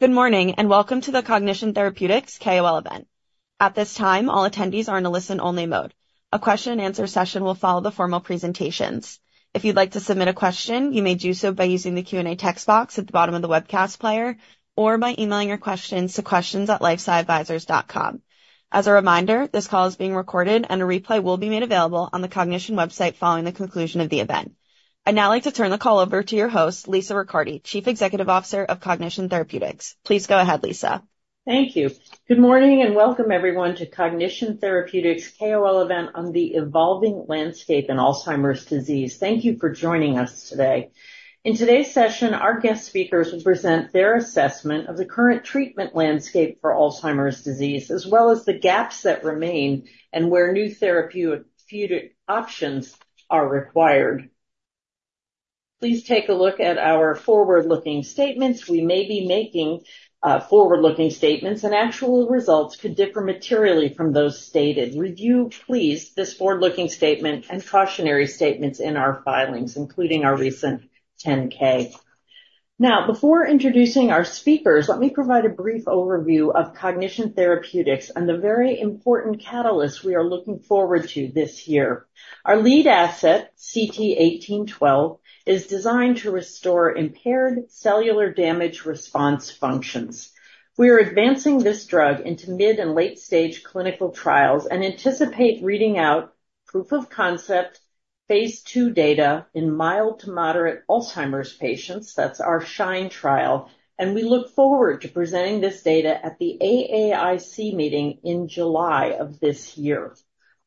Good morning and welcome to the Cognition Therapeutics KOL event. At this time, all attendees are in a listen-only mode. A question-and-answer session will follow the formal presentations. If you'd like to submit a question, you may do so by using the Q&A text box at the bottom of the webcast player, or by emailing your questions to questions@lifesciadvisors.com. As a reminder, this call is being recorded and a replay will be made available on the Cognition website following the conclusion of the event. I'd now like to turn the call over to your host, Lisa Ricciardi, Chief Executive Officer of Cognition Therapeutics. Please go ahead, Lisa. Thank you. Good morning and welcome, everyone, to Cognition Therapeutics KOL event on the evolving landscape in Alzheimer's disease. Thank you for joining us today. In today's session, our guest speakers will present their assessment of the current treatment landscape for Alzheimer's disease, as well as the gaps that remain and where new therapeutic options are required. Please take a look at our forward-looking statements. We may be making forward-looking statements, and actual results could differ materially from those stated. Review, please, this forward-looking statement and cautionary statements in our filings, including our recent 10-K. Now, before introducing our speakers, let me provide a brief overview of Cognition Therapeutics and the very important catalysts we are looking forward to this year. Our lead asset, CT1812, is designed to restore impaired cellular damage response functions. We are advancing this drug into mid and late-stage clinical trials and anticipate reading out proof of concept, phase 2 data, in mild to moderate Alzheimer's patients, that's our SHINE trial, and we look forward to presenting this data at the AAIC meeting in July of this year.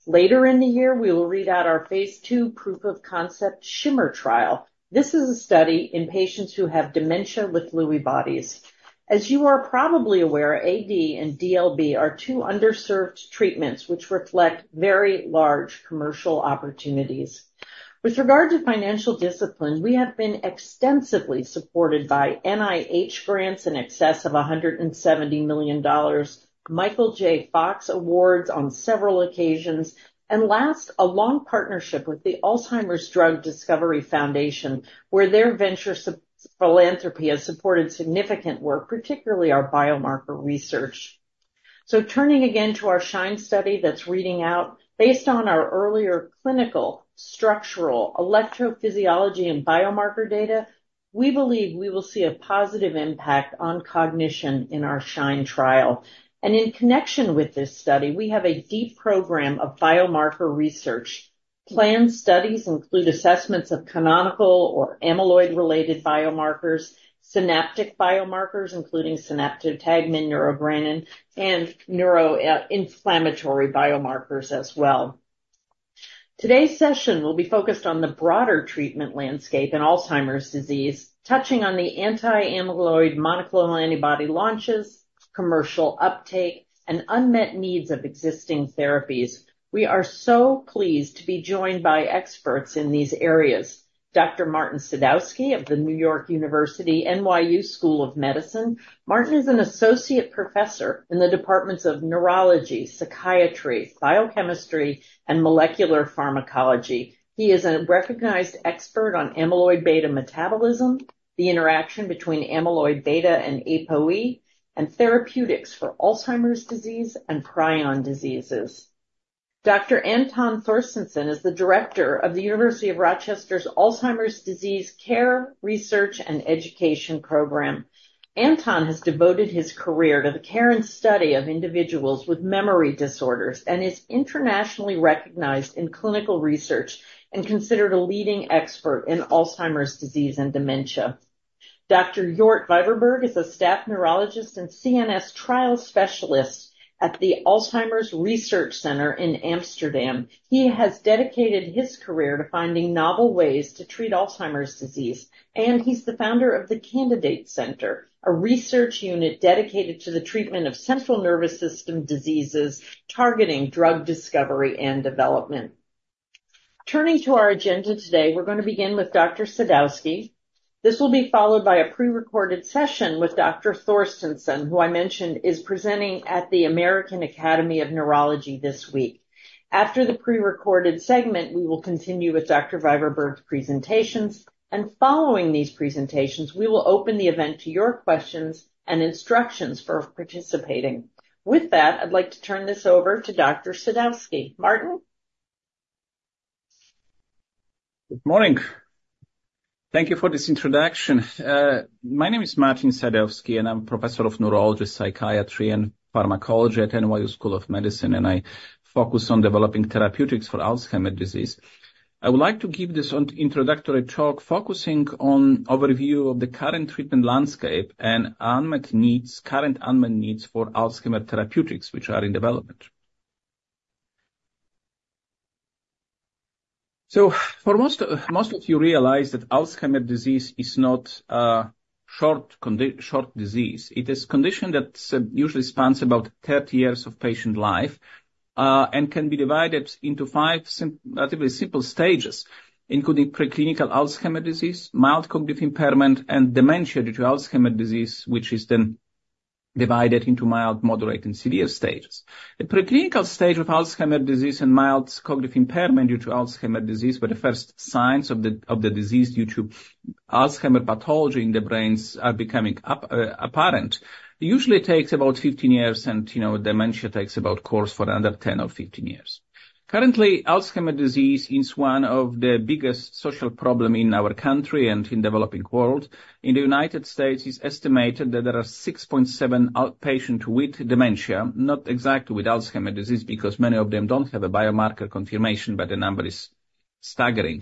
Later in the year, we will read out our phase 2 proof of concept SHIMMER trial. This is a study in patients who have dementia with Lewy bodies. As you are probably aware, AD and DLB are two underserved treatments which reflect very large commercial opportunities. With regard to financial discipline, we have been extensively supported by NIH grants in excess of $170 million, Michael J. Fox Awards on several occasions, and last, a long partnership with the Alzheimer's Drug Discovery Foundation, where their venture philanthropy has supported significant work, particularly our biomarker research. So turning again to our SHINE study that's reading out: based on our earlier clinical, structural, electrophysiology, and biomarker data, we believe we will see a positive impact on cognition in our SHINE trial. And in connection with this study, we have a deep program of biomarker research. Planned studies include assessments of canonical or amyloid-related biomarkers, synaptic biomarkers including synaptotagmin, neurogranin, and neuroinflammatory biomarkers as well. Today's session will be focused on the broader treatment landscape in Alzheimer's disease, touching on the anti-amyloid monoclonal antibody launches, commercial uptake, and unmet needs of existing therapies. We are so pleased to be joined by experts in these areas: Dr. Martin Sadowski of NYU Grossman School of Medicine. Martin is an associate professor in the departments of neurology, psychiatry, biochemistry, and molecular pharmacology. He is a recognized expert on amyloid beta metabolism, the interaction between amyloid beta and APOE, and therapeutics for Alzheimer's disease and prion diseases. Dr. Anton Porsteinsson is the director of the University of Rochester's Alzheimer's Disease Care, Research and Education Program. Anton has devoted his career to the care and study of individuals with memory disorders and is internationally recognized in clinical research and considered a leading expert in Alzheimer's disease and dementia. Dr. Jort Vijverberg is a staff neurologist and CNS trial specialist at the Alzheimer Center Amsterdam. He has dedicated his career to finding novel ways to treat Alzheimer's disease, and he's the founder of the CANDIDATE Centre, a research unit dedicated to the treatment of central nervous system diseases targeting drug discovery and development. Turning to our agenda today, we're going to begin with Dr. Sadowski. This will be followed by a prerecorded session with Dr. Porsteinsson, who I mentioned is presenting at the American Academy of Neurology this week. After the prerecorded segment, we will continue with Dr. Vijverberg's presentations, and following these presentations, we will open the event to your questions and instructions for participating. With that, I'd like to turn this over to Dr. Sadowski. Martin? Good morning. Thank you for this introduction. My name is Martin Sadowski, and I'm a professor of neurology, psychiatry, and pharmacology at NYU Grossman School of Medicine, and I focus on developing therapeutics for Alzheimer's disease. I would like to give this introductory talk focusing on an overview of the current treatment landscape and current unmet needs for Alzheimer's therapeutics, which are in development. So for most of you, you realize that Alzheimer's disease is not a short disease. It is a condition that usually spans about 30 years of patient life and can be divided into five relatively simple stages, including preclinical Alzheimer's disease, mild cognitive impairment, and dementia due to Alzheimer's disease, which is then divided into mild, moderate, and severe stages. The preclinical stage of Alzheimer's disease and mild cognitive impairment due to Alzheimer's disease, where the first signs of the disease due to Alzheimer's pathology in the brains are becoming apparent, usually takes about 15 years, and dementia takes about a course for under 10 or 15 years. Currently, Alzheimer's disease is one of the biggest social problems in our country and in the developing world. In the United States, it's estimated that there are 6.7 million patients with dementia, not exactly with Alzheimer's disease because many of them don't have a biomarker confirmation, but the number is staggering.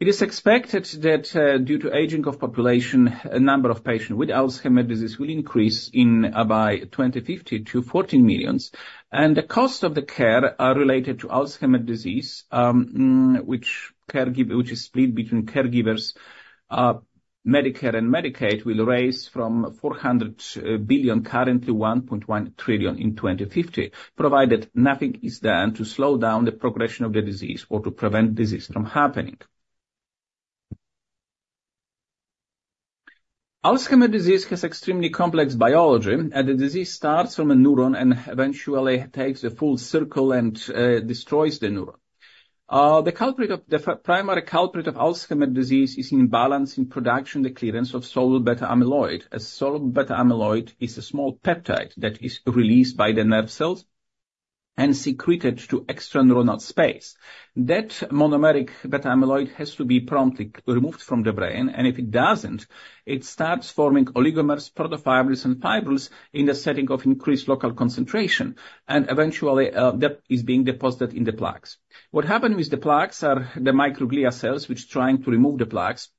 It is expected that due to aging of the population, the number of patients with Alzheimer's disease will increase by 2050 to 14 million, and the costs of the care related to Alzheimer's disease, which is split between caregivers, Medicare and Medicaid, will rise from $400 billion to $1.1 trillion in 2050, provided nothing is done to slow down the progression of the disease or to prevent disease from happening. Alzheimer's disease has an extremely complex biology, and the disease starts from a neuron and eventually takes the full circle and destroys the neuron. The primary culprit of Alzheimer's disease is imbalance in production and clearance of soluble beta-amyloid, as soluble beta-amyloid is a small peptide that is released by the nerve cells and secreted to extraneuronal space. That monomeric beta-amyloid has to be promptly removed from the brain, and if it doesn't, it starts forming oligomers, protofibrils, and fibrils in the setting of increased local concentration, and eventually that is being deposited in the plaques. What happens with the plaques are the microglia cells which are trying to remove the plaques,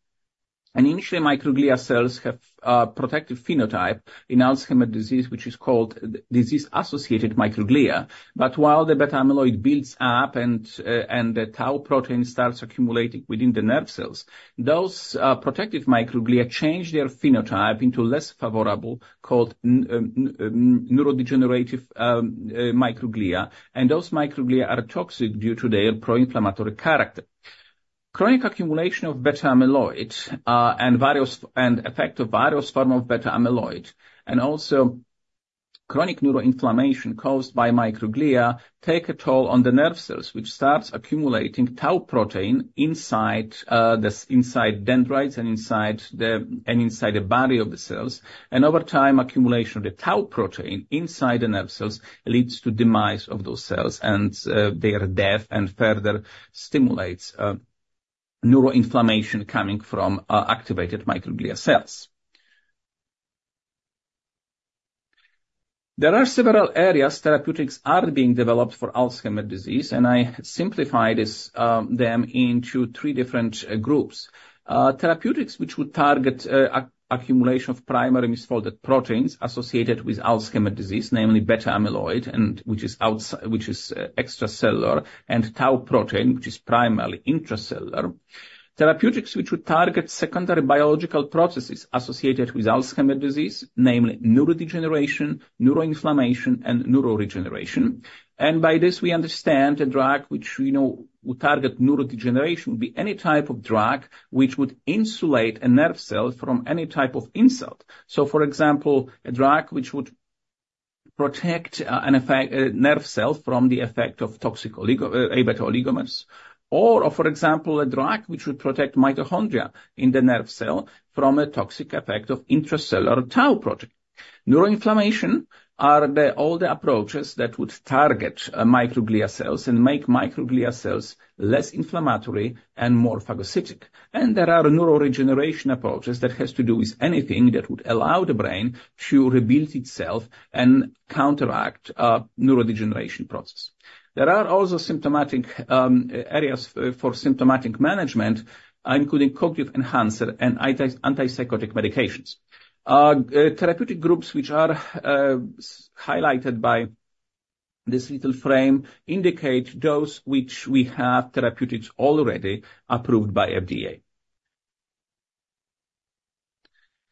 and initially, microglia cells have a protective phenotype in Alzheimer's Disease, which is called disease-associated microglia. But while the beta-amyloid builds up and the tau protein starts accumulating within the nerve cells, those protective microglia change their phenotype into less favorable, called neurodegenerative microglia, and those microglia are toxic due to their pro-inflammatory character. Chronic accumulation of beta-amyloid and the effect of various forms of beta-amyloid, and also chronic neuroinflammation caused by microglia, take a toll on the nerve cells, which starts accumulating tau protein inside dendrites and inside the body of the cells. Over time, accumulation of the Tau protein inside the nerve cells leads to the demise of those cells, and they are dead, and further stimulates neuroinflammation coming from activated microglia cells. There are several areas therapeutics are being developed for Alzheimer's disease, and I simplified them into three different groups. Therapeutics which would target the accumulation of primary misfolded proteins associated with Alzheimer's disease, namely beta-amyloid, which is extracellular, and Tau protein, which is primarily intracellular. Therapeutics which would target secondary biological processes associated with Alzheimer's disease, namely neurodegeneration, neuroinflammation, and neuroregeneration. By this, we understand a drug which would target neurodegeneration would be any type of drug which would insulate a nerve cell from any type of insult. So, for example, a drug which would protect a nerve cell from the effect of toxic A-beta oligomers, or, for example, a drug which would protect mitochondria in the nerve cell from a toxic effect of intracellular tau protein. Neuroinflammation are all the approaches that would target microglia cells and make microglia cells less inflammatory and more phagocytic. And there are neuroregeneration approaches that have to do with anything that would allow the brain to rebuild itself and counteract the neurodegeneration process. There are also areas for symptomatic management, including cognitive enhancers and antipsychotic medications. Therapeutic groups which are highlighted by this little frame indicate those which we have therapeutics already approved by the FDA.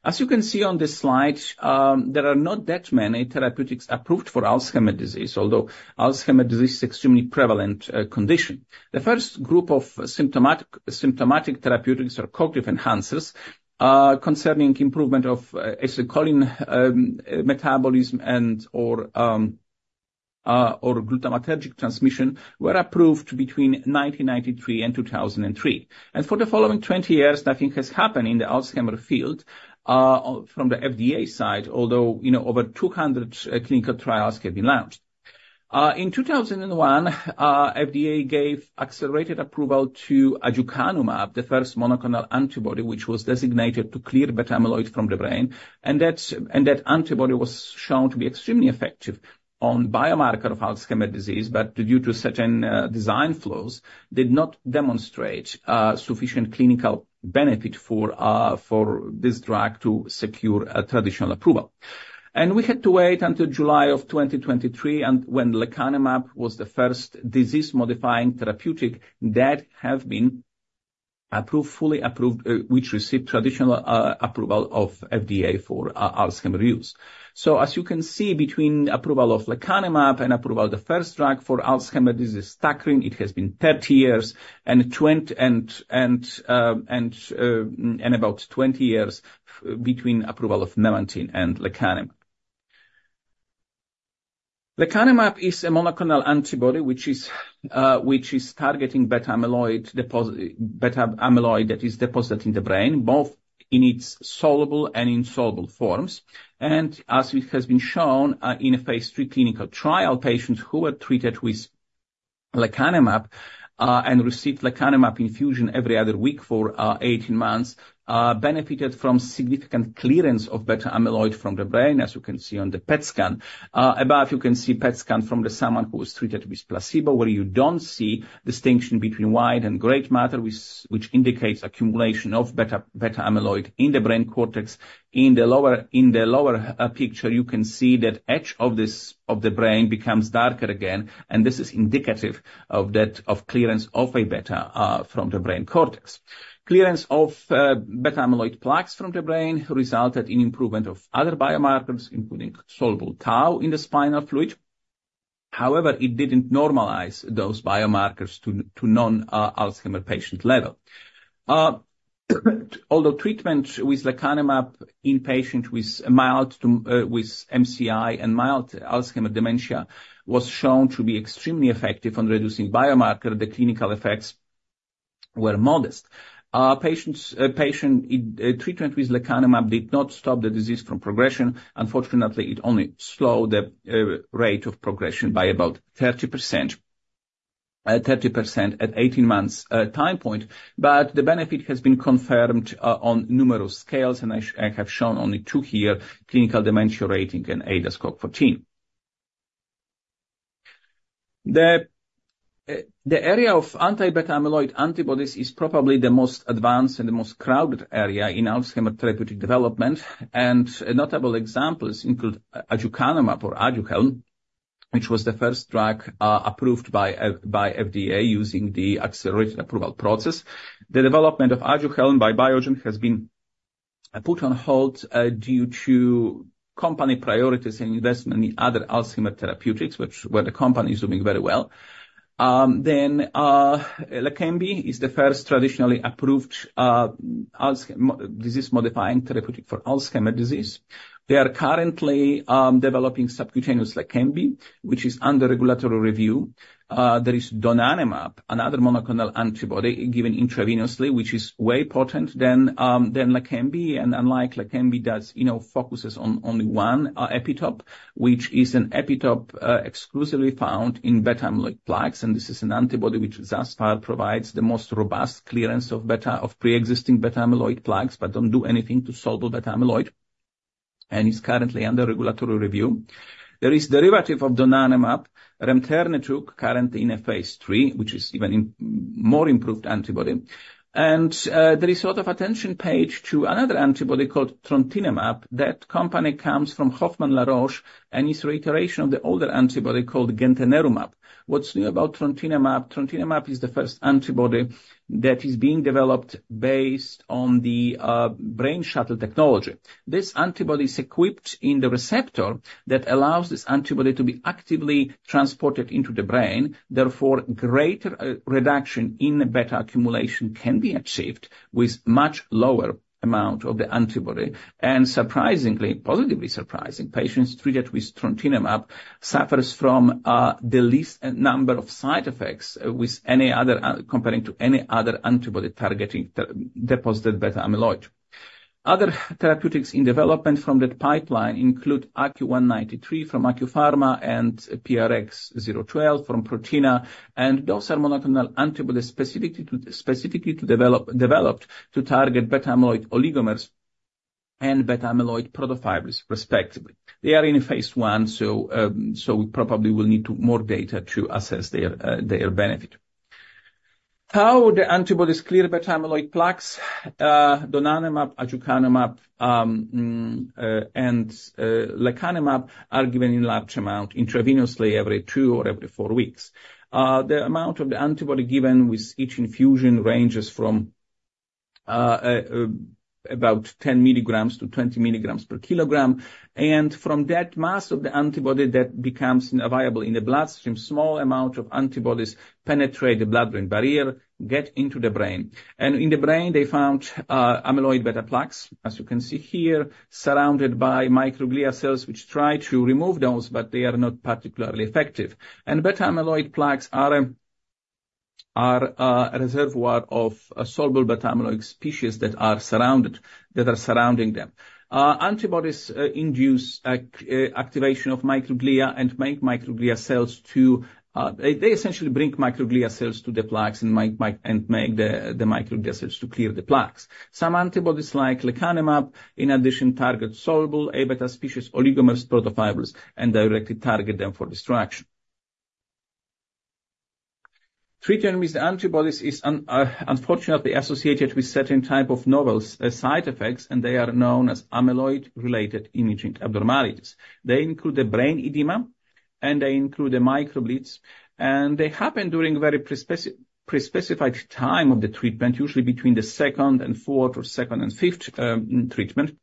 As you can see on this slide, there are not that many therapeutics approved for Alzheimer's disease, although Alzheimer's disease is an extremely prevalent condition. The first group of symptomatic therapeutics are cognitive enhancers concerning improvement of choline metabolism and/or glutamatergic transmission, which were approved between 1993 and 2003. For the following 20 years, nothing has happened in the Alzheimer's field from the FDA side, although over 200 clinical trials have been launched. In 2001, the FDA gave accelerated approval to aducanumab, the first monoclonal antibody which was designated to clear beta-amyloid from the brain, and that antibody was shown to be extremely effective on biomarkers of Alzheimer's disease, but due to certain design flaws, it did not demonstrate sufficient clinical benefit for this drug to secure traditional approval. We had to wait until July of 2023, when lecanemab was the first disease-modifying therapeutic that has been fully approved, which received traditional approval of the FDA for Alzheimer's use. So, as you can see, between approval of lecanemab and approval of the first drug for Alzheimer's disease, tacrine, it has been 30 years and about 20 years between approval of memantine and lecanemab. Lecanemab is a monoclonal antibody which is targeting beta-amyloid that is deposited in the brain, both in its soluble and insoluble forms. And as it has been shown in a phase 3 clinical trial, patients who were treated with lecanemab and received lecanemab infusion every other week for 18 months benefited from significant clearance of beta-amyloid from the brain, as you can see on the PET scan. Above, you can see a PET scan from someone who was treated with placebo, where you don't see the distinction between white and gray matter, which indicates accumulation of beta-amyloid in the brain cortex. In the lower picture, you can see that the edge of the brain becomes darker again, and this is indicative of clearance of A beta from the brain cortex. Clearance of beta-amyloid plaques from the brain resulted in improvement of other biomarkers, including soluble tau in the spinal fluid. However, it didn't normalize those biomarkers to non-Alzheimer's patient levels. Although treatment with lecanemab in patients with MCI and mild Alzheimer's dementia was shown to be extremely effective on reducing biomarkers, the clinical effects were modest. Treatment with lecanemab did not stop the disease from progression. Unfortunately, it only slowed the rate of progression by about 30% at 18 months' time point, but the benefit has been confirmed on numerous scales, and I have shown only two here: clinical dementia rating and ADAS-Cog14. The area of anti-beta-amyloid antibodies is probably the most advanced and the most crowded area in Alzheimer's therapeutic development, and notable examples include aducanumab or Aduhelm, which was the first drug approved by the FDA using the accelerated approval process. The development of Aduhelm by Biogen has been put on hold due to company priorities and investment in other Alzheimer's therapeutics, where the company is doing very well. Then, Leqembi is the first traditionally approved disease-modifying therapeutic for Alzheimer's disease. They are currently developing subcutaneous Leqembi, which is under regulatory review. There is donanemab, another monoclonal antibody given intravenously, which is way more potent than Leqembi, and unlike Leqembi, it focuses on only one epitope, which is an epitope exclusively found in beta-amyloid plaques. This is an antibody which, as far as it is, provides the most robust clearance of pre-existing amyloid beta plaques but doesn't do anything to soluble amyloid beta, and it's currently under regulatory review. There is a derivative of donanemab, remternetug, currently in a phase 3, which is an even more improved antibody. There is a lot of attention paid to another antibody called trontinemab. That company comes from Hoffmann-La Roche and is a reiteration of the older antibody called gantenerumab. What's new about trontinemab? Trontinemab is the first antibody that is being developed based on the Brain Shuttle technology. This antibody is equipped in the receptor that allows this antibody to be actively transported into the brain. Therefore, greater reduction in amyloid beta accumulation can be achieved with a much lower amount of the antibody. Surprisingly, positively surprisingly, patients treated with trontinemab suffer from the least number of side effects compared to any other antibody targeting deposited beta-amyloid. Other therapeutics in development from that pipeline include ACU-193 from Acumen Pharmaceuticals and PRX-012 from Prothena, and those are monoclonal antibodies specifically developed to target beta-amyloid oligomers and beta-amyloid protofibrils, respectively. They are in phase 1, so we probably will need more data to assess their benefit. How do antibodies clear beta-amyloid plaques? Donanemab, aducanumab, and lecanemab are given in large amounts intravenously every 2 or every 4 weeks. The amount of the antibody given with each infusion ranges from about 10-20 milligrams per kilogram, and from that mass of the antibody that becomes available in the bloodstream, a small amount of antibodies penetrate the blood-brain barrier and get into the brain. In the brain, they found amyloid beta plaques, as you can see here, surrounded by microglia cells which try to remove those, but they are not particularly effective. Beta-amyloid plaques are a reservoir of soluble beta-amyloid species that are surrounding them. Antibodies induce activation of microglia and make microglia cells to. They essentially bring microglia cells to the plaques and make the microglia cells to clear the plaques. Some antibodies, like lecanemab, in addition, target soluble A beta species oligomers, protofibrils, and directly target them for destruction. Treatment with antibodies is unfortunately associated with certain types of novel side effects, and they are known as amyloid-related imaging abnormalities. They include brain edema, and they include microbleeds, and they happen during a very prespecified time of the treatment, usually between the second and fourth or second and fifth treatment.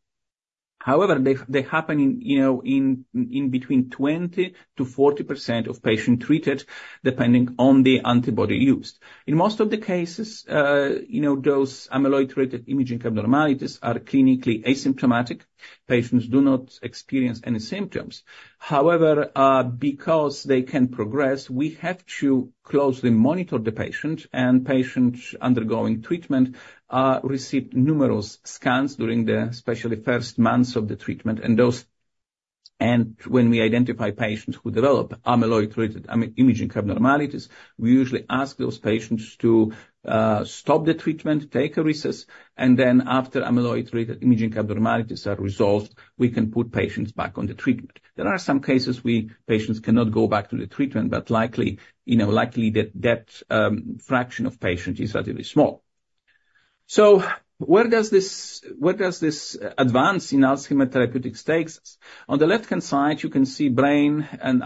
However, they happen in between 20%-40% of patients treated, depending on the antibody used. In most of the cases, those amyloid-related imaging abnormalities are clinically asymptomatic. Patients do not experience any symptoms. However, because they can progress, we have to closely monitor the patient, and patients undergoing treatment receive numerous scans during especially the first months of the treatment. And when we identify patients who develop amyloid-related imaging abnormalities, we usually ask those patients to stop the treatment, take a recess, and then, after amyloid-related imaging abnormalities are resolved, we can put patients back on the treatment. There are some cases where patients cannot go back to the treatment, but likely that fraction of patients is relatively small. So, where does this advance in Alzheimer's therapeutics take us? On the left-hand side, you can see brain and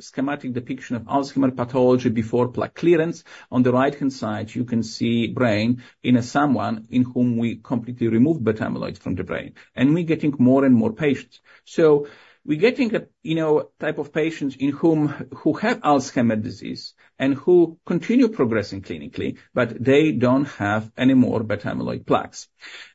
schematic depiction of Alzheimer's pathology before plaque clearance. On the right-hand side, you can see the brain in someone in whom we completely removed beta-amyloid from the brain, and we're getting more and more patients. So, we're getting a type of patients who have Alzheimer's disease and who continue progressing clinically, but they don't have any more beta-amyloid plaques.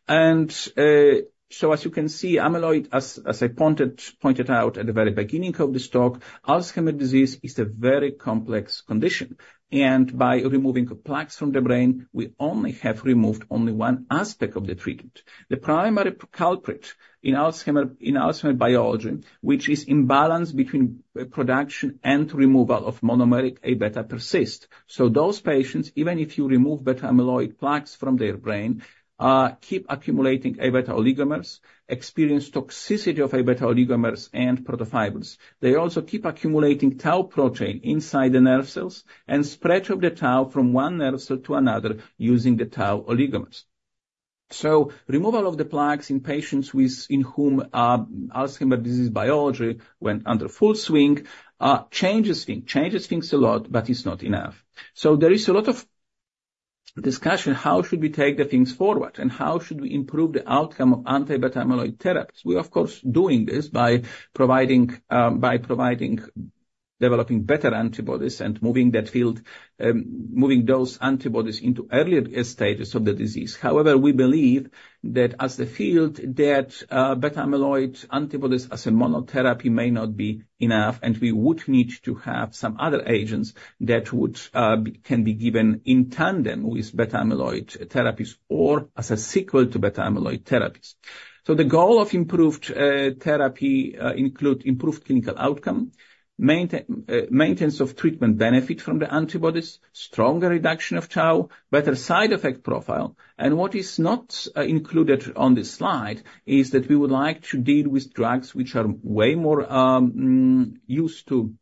And so, as you can see, amyloid, as I pointed out at the very beginning of this talk, Alzheimer's disease is a very complex condition, and by removing plaques from the brain, we only have removed only one aspect of the treatment. The primary culprit in Alzheimer's biology, which is imbalance between production and removal of monomeric A beta persists. So, those patients, even if you remove beta-amyloid plaques from their brain, keep accumulating A beta oligomers, experience toxicity of A beta oligomers and protofibrils. They also keep accumulating tau protein inside the nerve cells and spread the tau from one nerve cell to another using the tau oligomers. So, removal of the plaques in patients in whom Alzheimer's disease biology went under full swing changes things a lot, but it's not enough. So, there is a lot of discussion on how should we take things forward and how should we improve the outcome of anti-beta-amyloid therapies. We are, of course, doing this by developing better antibodies and moving that field, moving those antibodies into earlier stages of the disease. However, we believe that, as a field, that beta-amyloid antibodies as a monotherapy may not be enough, and we would need to have some other agents that can be given in tandem with beta-amyloid therapies or as a sequel to beta-amyloid therapies. So, the goal of improved therapy includes improved clinical outcome, maintenance of treatment benefit from the antibodies, stronger reduction of tau, better side effect profile, and what is not included on this slide is that we would like to deal with drugs which are way more used to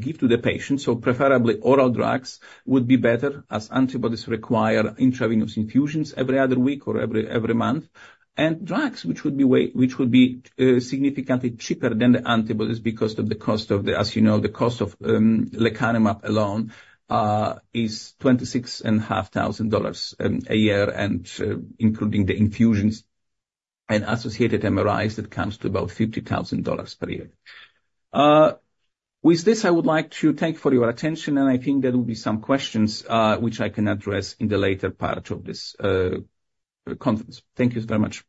give to the patients. So, preferably, oral drugs would be better as antibodies require intravenous infusions every other week or every month, and drugs which would be significantly cheaper than the antibodies because of the cost of the, as you know, the cost of lecanemab alone is $26,500 a year, including the infusions and associated MRIs that come to about $50,000 per year. With this, I would like to thank you for your attention, and I think there will be some questions which I can address in the later part of this conference. Thank you very much.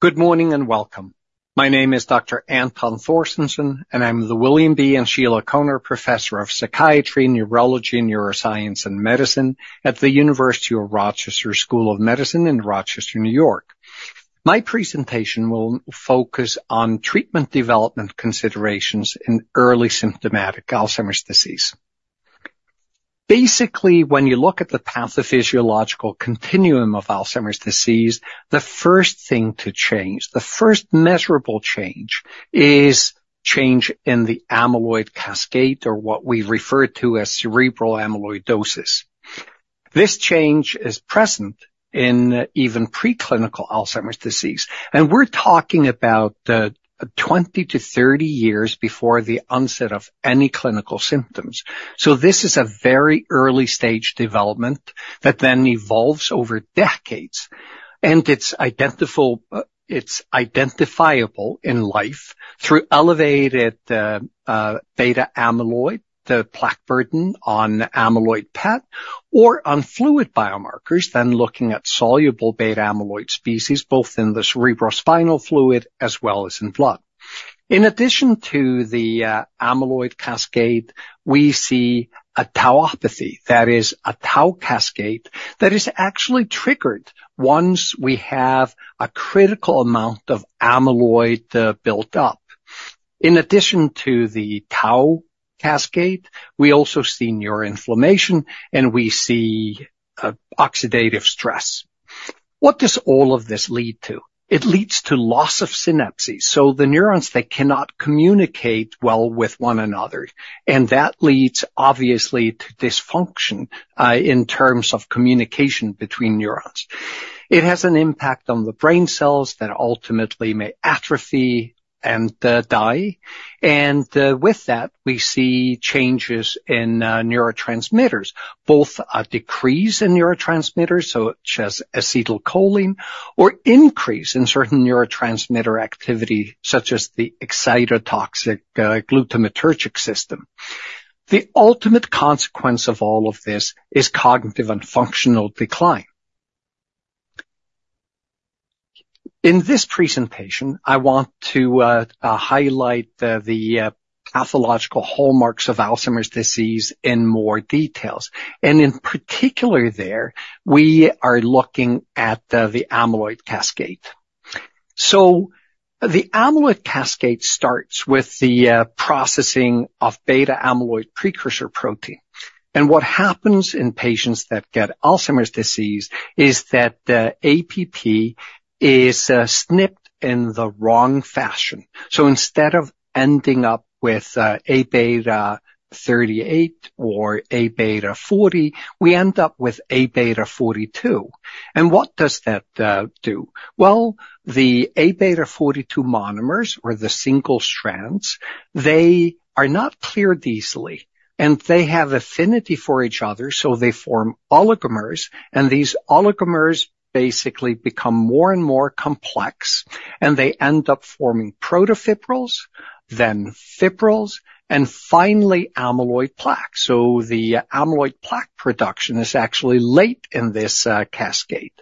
Good morning and welcome. My name is Dr. Anton Porsteinsson, and I'm the William B. and Sheila Konar Professor of Psychiatry, Neurology, Neuroscience, and Medicine at the University of Rochester School of Medicine in Rochester, New York. My presentation will focus on treatment development considerations in early symptomatic Alzheimer's disease. Basically, when you look at the pathophysiological continuum of Alzheimer's disease, the first thing to change, the first measurable change, is change in the amyloid cascade or what we refer to as cerebral amyloidosis. This change is present in even preclinical Alzheimer's disease, and we're talking about 20-30 years before the onset of any clinical symptoms. So, this is a very early-stage development that then evolves over decades, and it's identifiable in life through elevated beta-amyloid, the plaque burden on the amyloid PET, or on fluid biomarkers, then looking at soluble beta-amyloid species both in the cerebrospinal fluid as well as in blood. In addition to the amyloid cascade, we see a tauopathy, that is, a tau cascade that is actually triggered once we have a critical amount of amyloid built up. In addition to the tau cascade, we also see neuroinflammation, and we see oxidative stress. What does all of this lead to? It leads to loss of synapses, so the neurons, they cannot communicate well with one another, and that leads, obviously, to dysfunction in terms of communication between neurons. It has an impact on the brain cells that ultimately may atrophy and die. And with that, we see changes in neurotransmitters, both a decrease in neurotransmitters such as acetylcholine or an increase in certain neurotransmitter activity such as the excitotoxic glutamatergic system. The ultimate consequence of all of this is cognitive and functional decline. In this presentation, I want to highlight the pathological hallmarks of Alzheimer's disease in more details, and in particular, there, we are looking at the amyloid cascade. So, the amyloid cascade starts with the processing of amyloid beta precursor protein. And what happens in patients that get Alzheimer's disease is that the APP is snipped in the wrong fashion. So, instead of ending up with A beta 38 or A beta 40, we end up with A beta 42. And what does that do? Well, the A beta 42 monomers or the single strands, they are not cleared easily, and they have affinity for each other, so they form oligomers. These oligomers basically become more and more complex, and they end up forming protofibrils, then fibrils, and finally amyloid plaque. So, the amyloid plaque production is actually late in this cascade.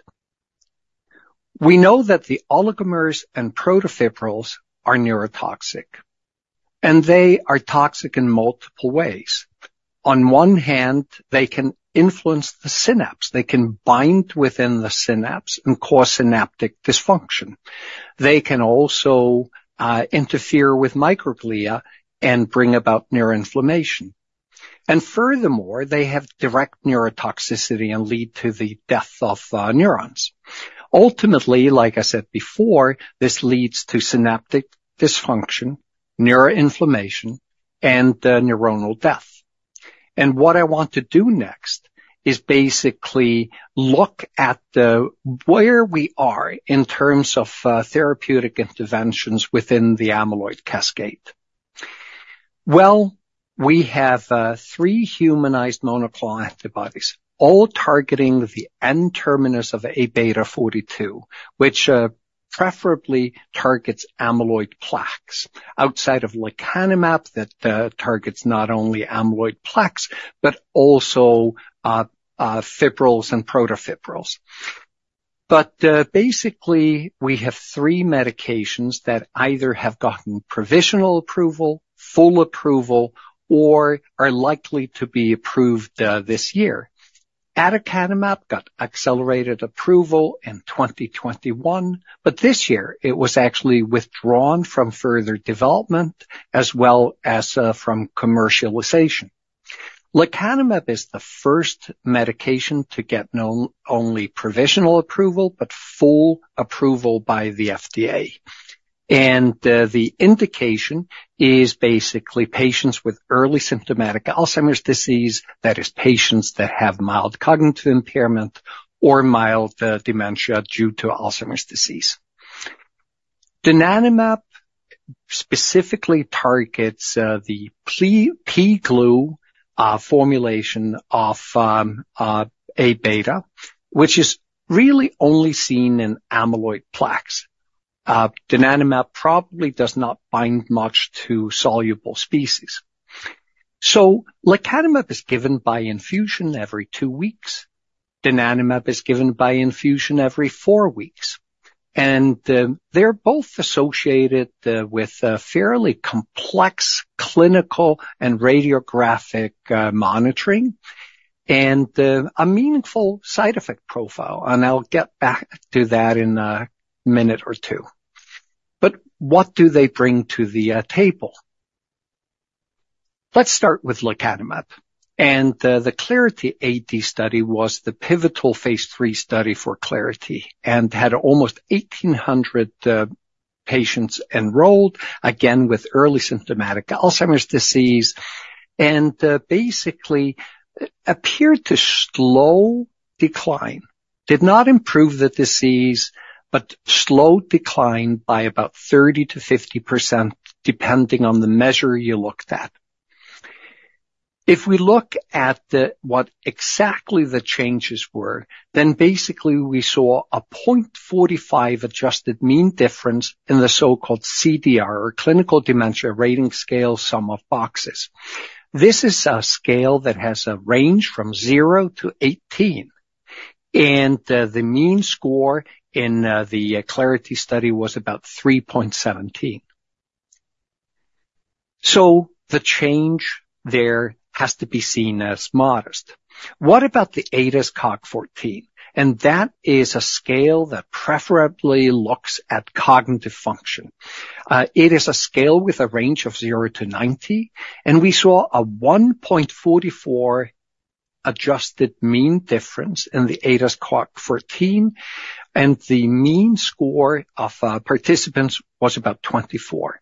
We know that the oligomers and protofibrils are neurotoxic, and they are toxic in multiple ways. On one hand, they can influence the synapse. They can bind within the synapse and cause synaptic dysfunction. They can also interfere with microglia and bring about neuroinflammation. And furthermore, they have direct neurotoxicity and lead to the death of neurons. Ultimately, like I said before, this leads to synaptic dysfunction, neuroinflammation, and neuronal death. And what I want to do next is basically look at where we are in terms of therapeutic interventions within the amyloid cascade. Well, we have three humanized monoclonal antibodies all targeting the N-terminus of A beta 42, which preferably targets amyloid plaques outside of lecanemab that targets not only amyloid plaques but also fibrils and protofibrils. But basically, we have three medications that either have gotten provisional approval, full approval, or are likely to be approved this year. Aducanumab got accelerated approval in 2021, but this year, it was actually withdrawn from further development as well as from commercialization. Lecanemab is the first medication to get not only provisional approval but full approval by the FDA. And the indication is basically patients with early symptomatic Alzheimer's disease, that is, patients that have mild cognitive impairment or mild dementia due to Alzheimer's disease. Donanemab specifically targets the pGlu formulation of A beta, which is really only seen in amyloid plaques. Donanemab probably does not bind much to soluble species. So, lecanemab is given by infusion every 2 weeks. Donanemab is given by infusion every 4 weeks. They're both associated with fairly complex clinical and radiographic monitoring and a meaningful side effect profile. I'll get back to that in a minute or two. But what do they bring to the table? Let's start with lecanemab. The Clarity AD study was the pivotal phase 3 study for Clarity and had almost 1,800 patients enrolled, again with early symptomatic Alzheimer's disease, and basically appeared to slow decline, did not improve the disease, but slowed decline by about 30%-50% depending on the measure you looked at. If we look at what exactly the changes were, then basically we saw a 0.45 adjusted mean difference in the so-called CDR, or Clinical Dementia Rating Scale, sum of boxes. This is a scale that has a range from 0 to 18. The mean score in the Clarity study was about 3.17. The change there has to be seen as modest. What about the ADAS-Cog14? That is a scale that preferably looks at cognitive function. It is a scale with a range of 0 to 90. We saw a 1.44 adjusted mean difference in the ADAS-Cog14. The mean score of participants was about 24.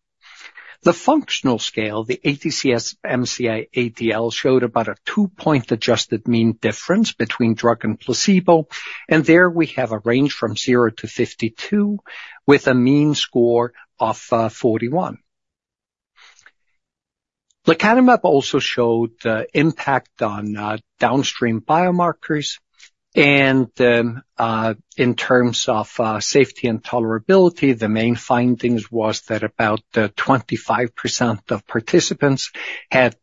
The functional scale, the ADCS-MCI-ADL, showed about a 2-point adjusted mean difference between drug and placebo. There, we have a range from 0 to 52 with a mean score of 41. Lecanemab also showed the impact on downstream biomarkers. In terms of safety and tolerability, the main findings were that about 25% of participants had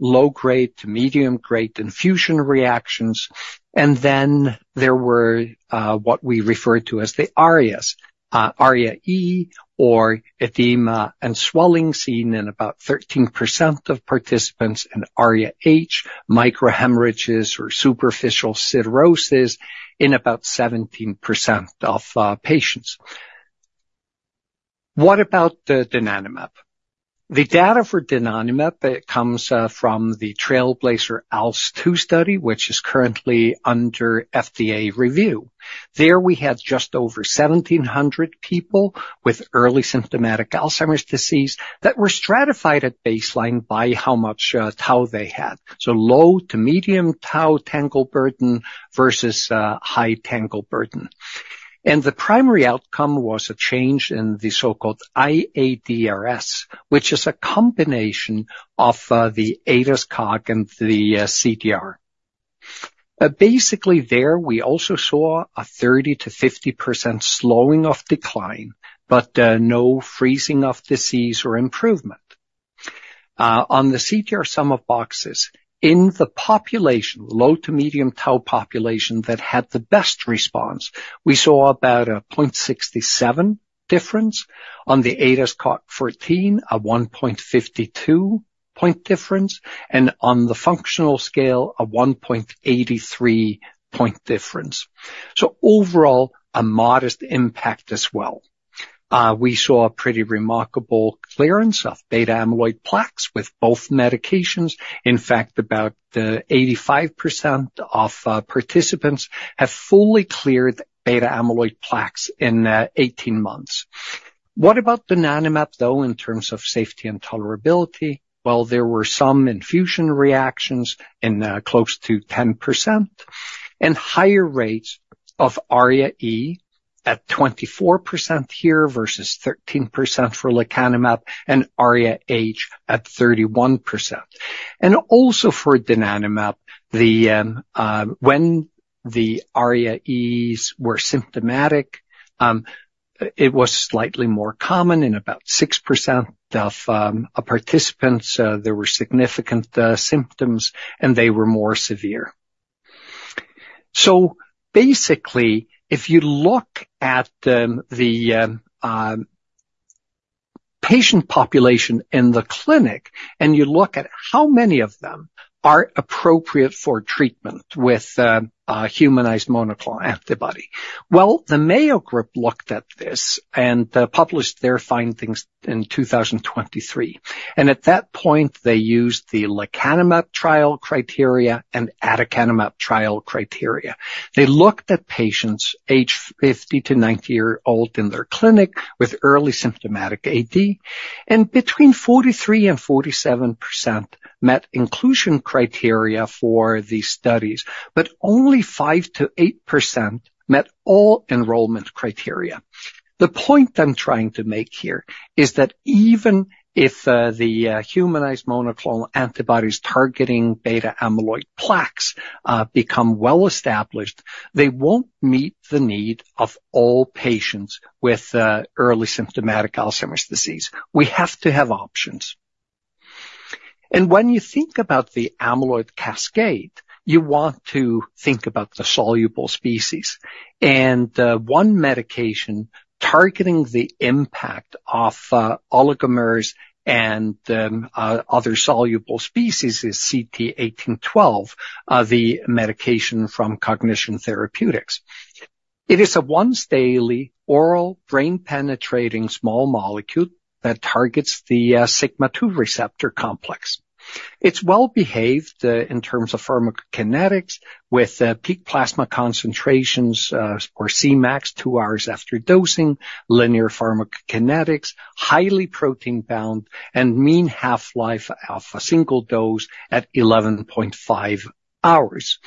low-grade to medium-grade infusion reactions. Then there were what we refer to as the ARIAs, ARIA-E or edema and swelling seen in about 13% of participants, and ARIA-H, microhemorrhages or superficial siderosis in about 17% of patients. What about donanemab? The data for donanemab comes from the TRAILBLAZER-ALZ 2 study, which is currently under FDA review. There, we had just over 1,700 people with early symptomatic Alzheimer's disease that were stratified at baseline by how much tau they had, so low to medium tau tangle burden versus high tangle burden. And the primary outcome was a change in the so-called iADRS, which is a combination of the ADAS-Cog and the CDR. Basically, there, we also saw a 30%-50% slowing of decline, but no freezing of disease or improvement. On the CDR Sum of Boxes, in the population, low to medium tau population that had the best response, we saw about a 0.67 difference. On the ADAS-Cog14, a 1.52 point difference, and on the functional scale, a 1.83 point difference. So overall, a modest impact as well. We saw a pretty remarkable clearance of beta-amyloid plaques with both medications. In fact, about 85% of participants have fully cleared beta-amyloid plaques in 18 months. What about Donanemab, though, in terms of safety and tolerability? Well, there were some infusion reactions in close to 10% and higher rates of ARIA E at 24% here versus 13% for lecanemab and ARIA H at 31%. And also for Donanemab, when the ARIA Es were symptomatic, it was slightly more common in about 6% of participants. There were significant symptoms, and they were more severe. So basically, if you look at the patient population in the clinic, and you look at how many of them are appropriate for treatment with a humanized monoclonal antibody. Well, the Mayo Clinic looked at this and published their findings in 2023. And at that point, they used the lecanemab trial criteria and aducanemab trial criteria. They looked at patients aged 50-90 years old in their clinic with early symptomatic AD, and between 43%-47% met inclusion criteria for the studies, but only 5%-8% met all enrollment criteria. The point I'm trying to make here is that even if the humanized monoclonal antibodies targeting beta-amyloid plaques become well-established, they won't meet the need of all patients with early symptomatic Alzheimer's disease. We have to have options. And when you think about the amyloid cascade, you want to think about the soluble species. One medication targeting the impact of oligomers and other soluble species is CT1812, the medication from Cognition Therapeutics. It is a once-daily oral brain-penetrating small molecule that targets the sigma-2 receptor complex. It's well-behaved in terms of pharmacokinetics with peak plasma concentrations or Cmax 2 hours after dosing, linear pharmacokinetics, highly protein-bound, and mean half-life of a single dose at 11.5 hours.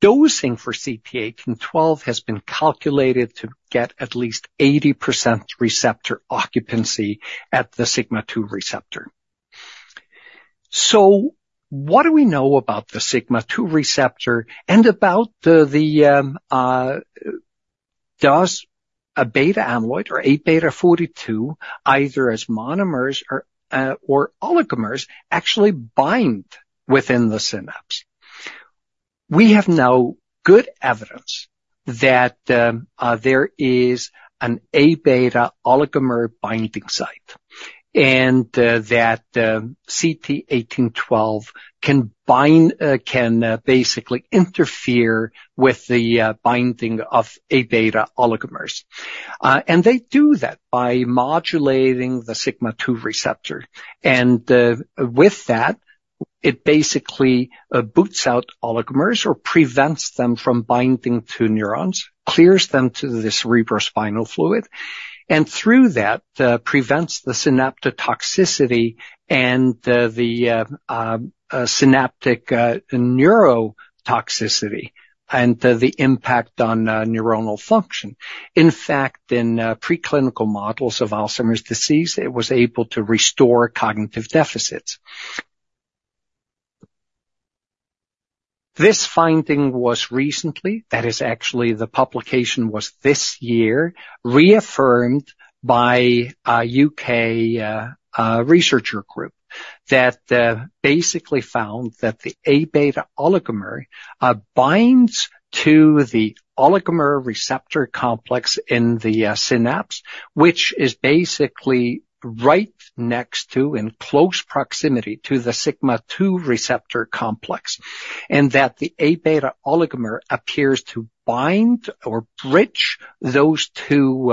Dosing for CT1812 has been calculated to get at least 80% receptor occupancy at the sigma-2 receptor. So what do we know about the sigma-2 receptor and about does amyloid beta or Aβ 42 either as monomers or oligomers actually bind within the synapse? We have now good evidence that there is an Aβ oligomer binding site and that CT1812 can bind basically interfere with the binding of Aβ oligomers. And they do that by modulating the sigma-2 receptor. And with that, it basically boots out oligomers or prevents them from binding to neurons, clears them to the cerebrospinal fluid, and through that prevents the synaptotoxicity and the synaptic neurotoxicity and the impact on neuronal function. In fact, in preclinical models of Alzheimer's disease, it was able to restore cognitive deficits. This finding was recently that is actually the publication was this year reaffirmed by a UK research group that basically found that the A beta oligomer binds to the oligomer receptor complex in the synapse, which is basically right next to in close proximity to the sigma-2 receptor complex, and that the A beta oligomer appears to bind or bridge those two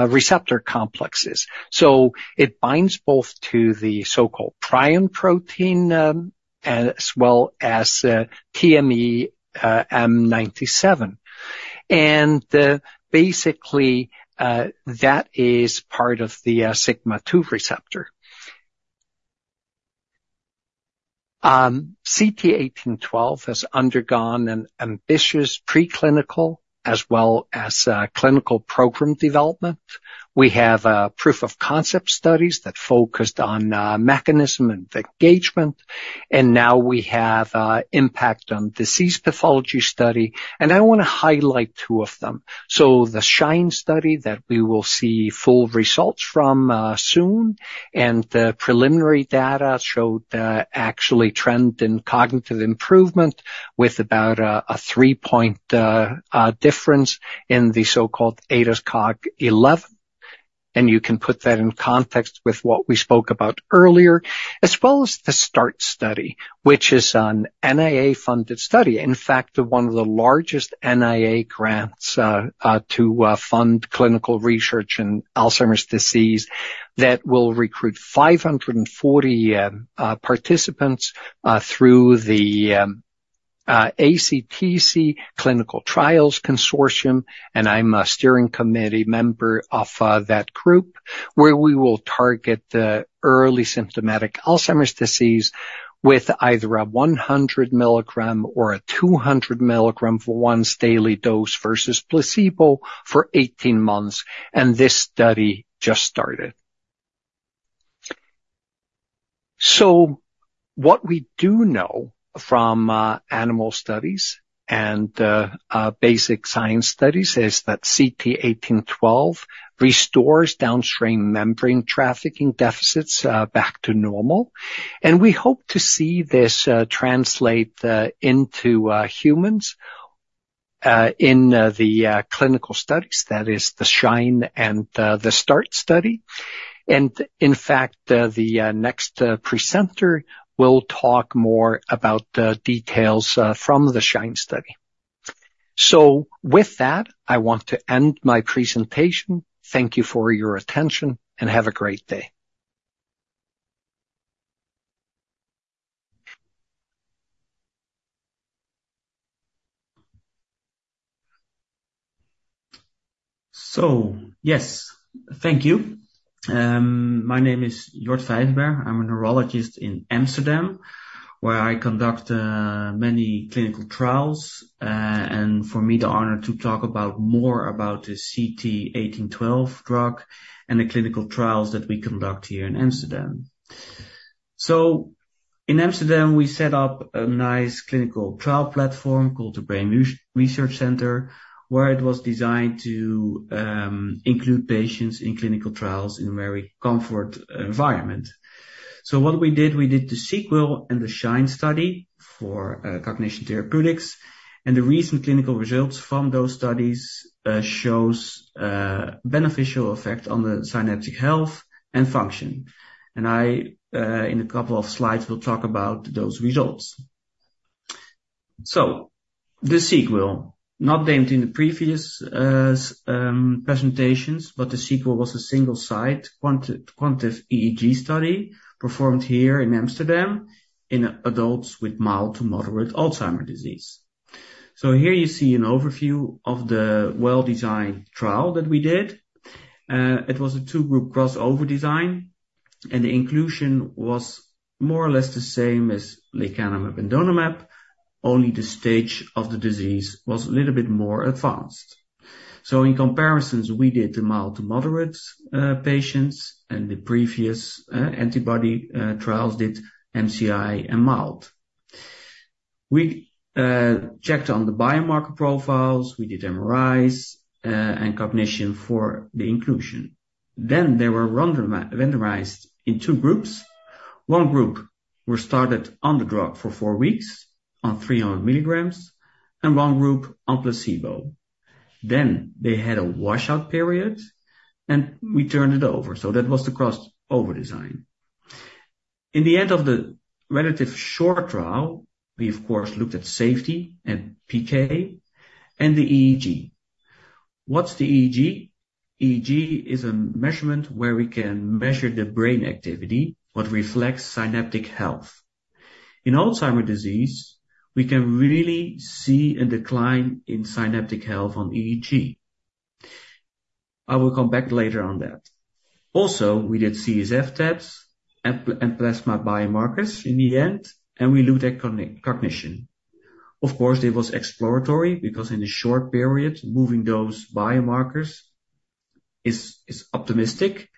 receptor complexes. So it binds both to the so-called prion protein as well as TMEM97. And basically, that is part of the sigma-2 receptor. CT1812 has undergone an ambitious preclinical as well as clinical program development. We have proof of concept studies that focused on mechanism and engagement. Now we have impact on disease pathology study. I want to highlight two of them. The SHINE study that we will see full results from soon and the preliminary data showed actually trend in cognitive improvement with about a 3-point difference in the so-called ADAS-Cog11. You can put that in context with what we spoke about earlier, as well as the START study, which is an NIA-funded study. In fact, one of the largest NIA grants to fund clinical research in Alzheimer's disease that will recruit 540 participants through the ACTC Clinical Trials Consortium. I'm a steering committee member of that group where we will target the early symptomatic Alzheimer's disease with either a 100 mg or a 200 mg once-daily dose versus placebo for 18 months. This study just started. So what we do know from animal studies and basic science studies is that CT1812 restores downstream membrane trafficking deficits back to normal. And we hope to see this translate into humans in the clinical studies, that is the SHINE and the START study. And in fact, the next presenter will talk more about the details from the SHINE study. So with that, I want to end my presentation. Thank you for your attention and have a great day. So yes, thank you. My name is Jort Vijverberg. I'm a neurologist in Amsterdam, where I conduct many clinical trials. And for me, the honor to talk more about the CT1812 drug and the clinical trials that we conduct here in Amsterdam. So in Amsterdam, we set up a nice clinical trial platform called the Brain Research Center, where it was designed to include patients in clinical trials in a very comfort environment. So what we did, we did the SEQUEL and the SHINE study for Cognition Therapeutics. And the recent clinical results from those studies show a beneficial effect on the synaptic health and function. And I, in a couple of slides, will talk about those results. So the SEQUEL, not named in the previous presentations, but the SEQUEL was a single-site quantitative EEG study performed here in Amsterdam in adults with mild to moderate Alzheimer's disease. So here you see an overview of the well-designed trial that we did. It was a two-group crossover design. And the inclusion was more or less the same as lecanemab and donanemab, only the stage of the disease was a little bit more advanced. So in comparisons, we did the mild to moderate patients and the previous antibody trials did MCI and mild. We checked on the biomarker profiles. We did MRIs and cognition for the inclusion. Then they were randomized in 2 groups. 1 group was started on the drug for 4 weeks on 300 milligrams and 1 group on placebo. Then they had a washout period, and we turned it over. So that was the crossover design. In the end of the relatively short trial, we, of course, looked at safety and PK and the EEG. What's the EEG? EEG is a measurement where we can measure the brain activity, what reflects synaptic health. In Alzheimer's disease, we can really see a decline in synaptic health on EEG. I will come back later on that. Also, we did CSF tests and plasma biomarkers in the end, and we looked at cognition. Of course, it was exploratory because in a short period, moving those biomarkers is optimistic.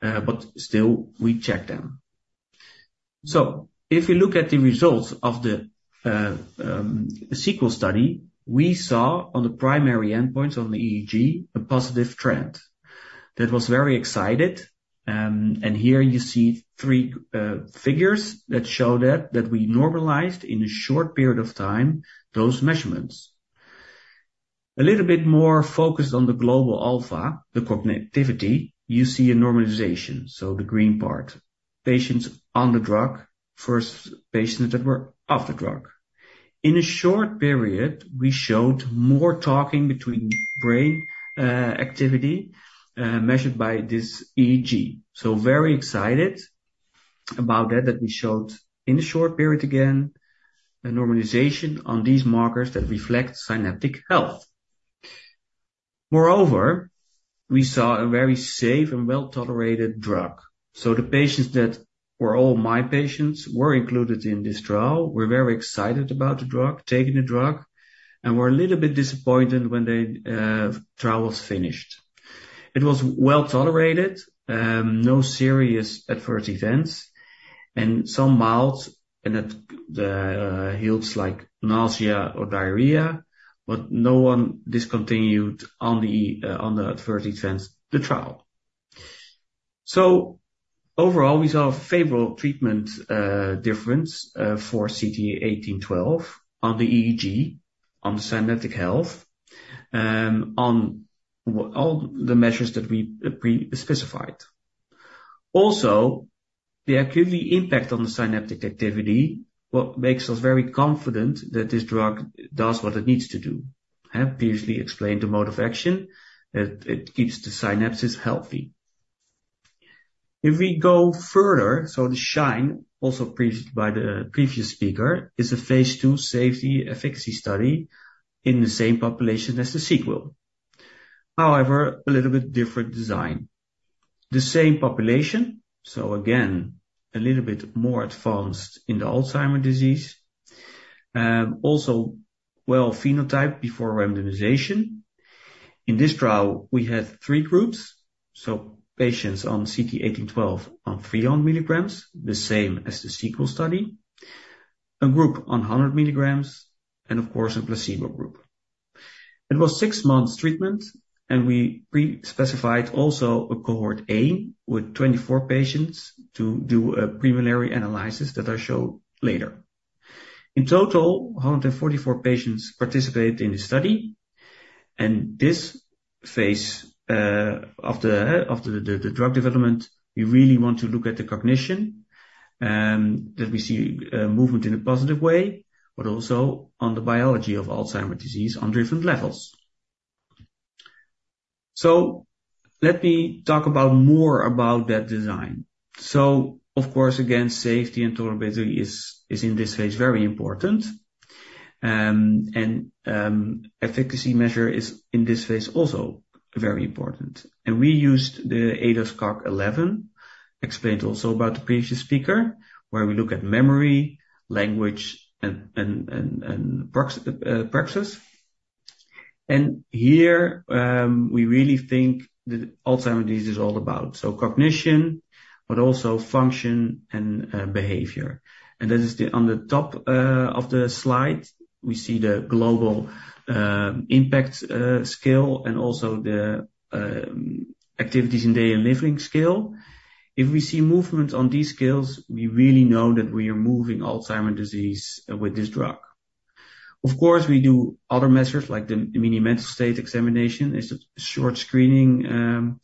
But still, we checked them. So if you look at the results of the SEQUEL study, we saw on the primary endpoints on the EEG a positive trend. That was very exciting. Here you see three figures that show that we normalized in a short period of time those measurements. A little bit more focused on the global alpha, the connectivity, you see a normalization. So the green part, patients on the drug versus patients that were off the drug. In a short period, we showed more connectivity between brain activity measured by this EEG. So very excited about that, that we showed in a short period again a normalization on these markers that reflect synaptic health. Moreover, we saw a very safe and well-tolerated drug. So the patients that were all my patients were included in this trial. We're very excited about the drug, taking the drug, and were a little bit disappointed when the trial was finished. It was well-tolerated, no serious adverse events, and some mild, and it healed like nausea or diarrhea, but no one discontinued on the adverse events the trial. So overall, we saw a favorable treatment difference for CT1812 on the EEG, on the synaptic health, on all the measures that we specified. Also, the acuity impact on the synaptic activity makes us very confident that this drug does what it needs to do. I previously explained the mode of action. It keeps the synapses healthy. If we go further, so the SHINE, also previously by the previous speaker, is a phase 2 safety efficacy study in the same population as the SEQUEL. However, a little bit different design. The same population. Again, a little bit more advanced in the Alzheimer's disease. Well-phenotyped before randomization. In this trial, we had 3 groups. Patients on CT1812 on 300 milligrams, the same as the SEQUEL study, a group on 100 milligrams, and of course, a placebo group. It was 6 months treatment, and we pre-specified also a cohort A with 24 patients to do a preliminary analysis that I show later. In total, 144 patients participated in the study. This phase of the drug development, we really want to look at the cognition that we see movement in a positive way, but also on the biology of Alzheimer's disease on different levels. Let me talk more about that design. Of course, again, safety and tolerability is in this phase very important. Efficacy measure is in this phase also very important. We used the ADAS-Cog11, explained also about the previous speaker, where we look at memory, language, and praxis. Here we really think that Alzheimer's disease is all about, so cognition, but also function and behavior. That is on the top of the slide. We see the global impact scale and also the activities in daily living scale. If we see movement on these scales, we really know that we are moving Alzheimer's disease with this drug. Of course, we do other measures like the Mini-Mental State Examination. It's a short screening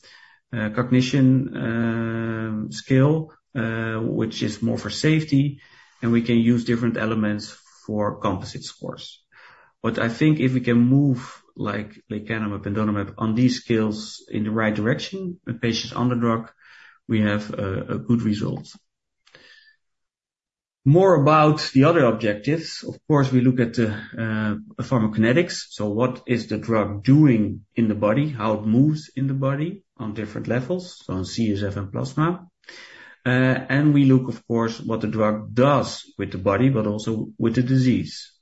cognition scale, which is more for safety. We can use different elements for composite scores. But I think if we can move like lecanemab and donanemab on these scales in the right direction, patients on the drug, we have good results. More about the other objectives. Of course, we look at the pharmacokinetics. So what is the drug doing in the body, how it moves in the body on different levels, so on CSF and plasma? And we look, of course, what the drug does with the body, but also with the disease.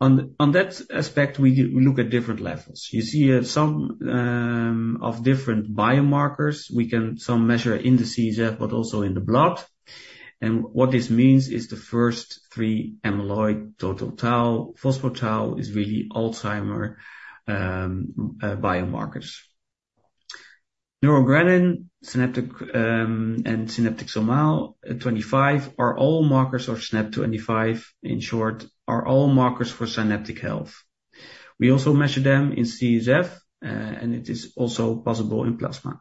On that aspect, we look at different levels. You see some different biomarkers. We can measure some in the CSF, but also in the blood. And what this means is the first three amyloid, total tau, phospho-tau are really Alzheimer's biomarkers. Neurogranin and SNAP-25 are all markers of SNAP-25. In short, are all markers for synaptic health. We also measure them in CSF, and it is also possible in plasma.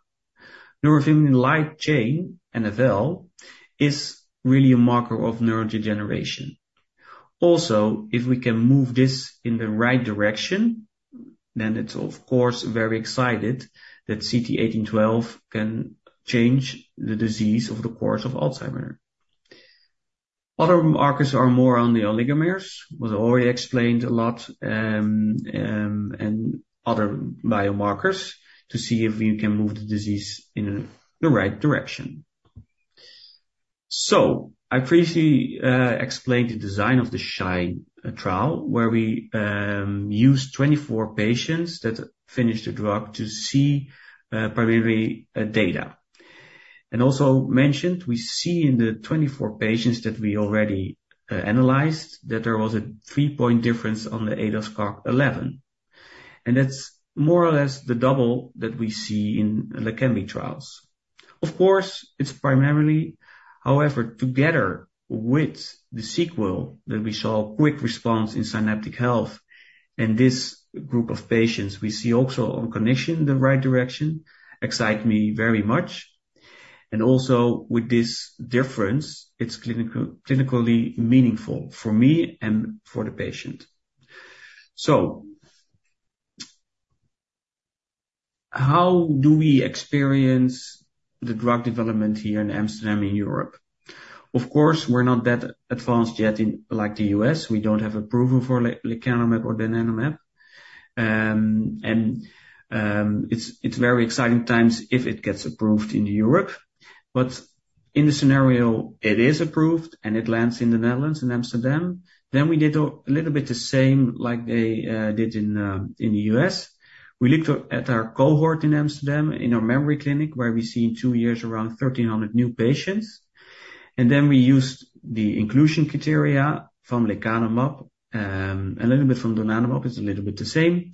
Neurofilament light chain, NfL, is really a marker of neurodegeneration. Also, if we can move this in the right direction, then it's, of course, very excited that CT1812 can change the disease of the course of Alzheimer's. Other markers are more on the oligomers, was already explained a lot, and other biomarkers to see if we can move the disease in the right direction. So I previously explained the design of the SHINE trial, where we used 24 patients that finished the drug to see primary data. And also mentioned, we see in the 24 patients that we already analyzed that there was a 3-point difference on the ADAS-Cog11. And that's more or less the double that we see in Leqembi trials. Of course, it's primarily, however, together with the SEQUEL that we saw quick response in synaptic health and this group of patients, we see also on cognition the right direction excite me very much. Also with this difference, it's clinically meaningful for me and for the patient. How do we experience the drug development here in Amsterdam and Europe? Of course, we're not that advanced yet in like the U.S. We don't have approval for lecanemab or donanemab. It's very exciting times if it gets approved in Europe. In the scenario, it is approved and it lands in the Netherlands, in Amsterdam, then we did a little bit the same like they did in the U.S. We looked at our cohort in Amsterdam in our memory clinic, where we see in two years around 1,300 new patients. Then we used the inclusion criteria from lecanemab, a little bit from donanemab. It's a little bit the same.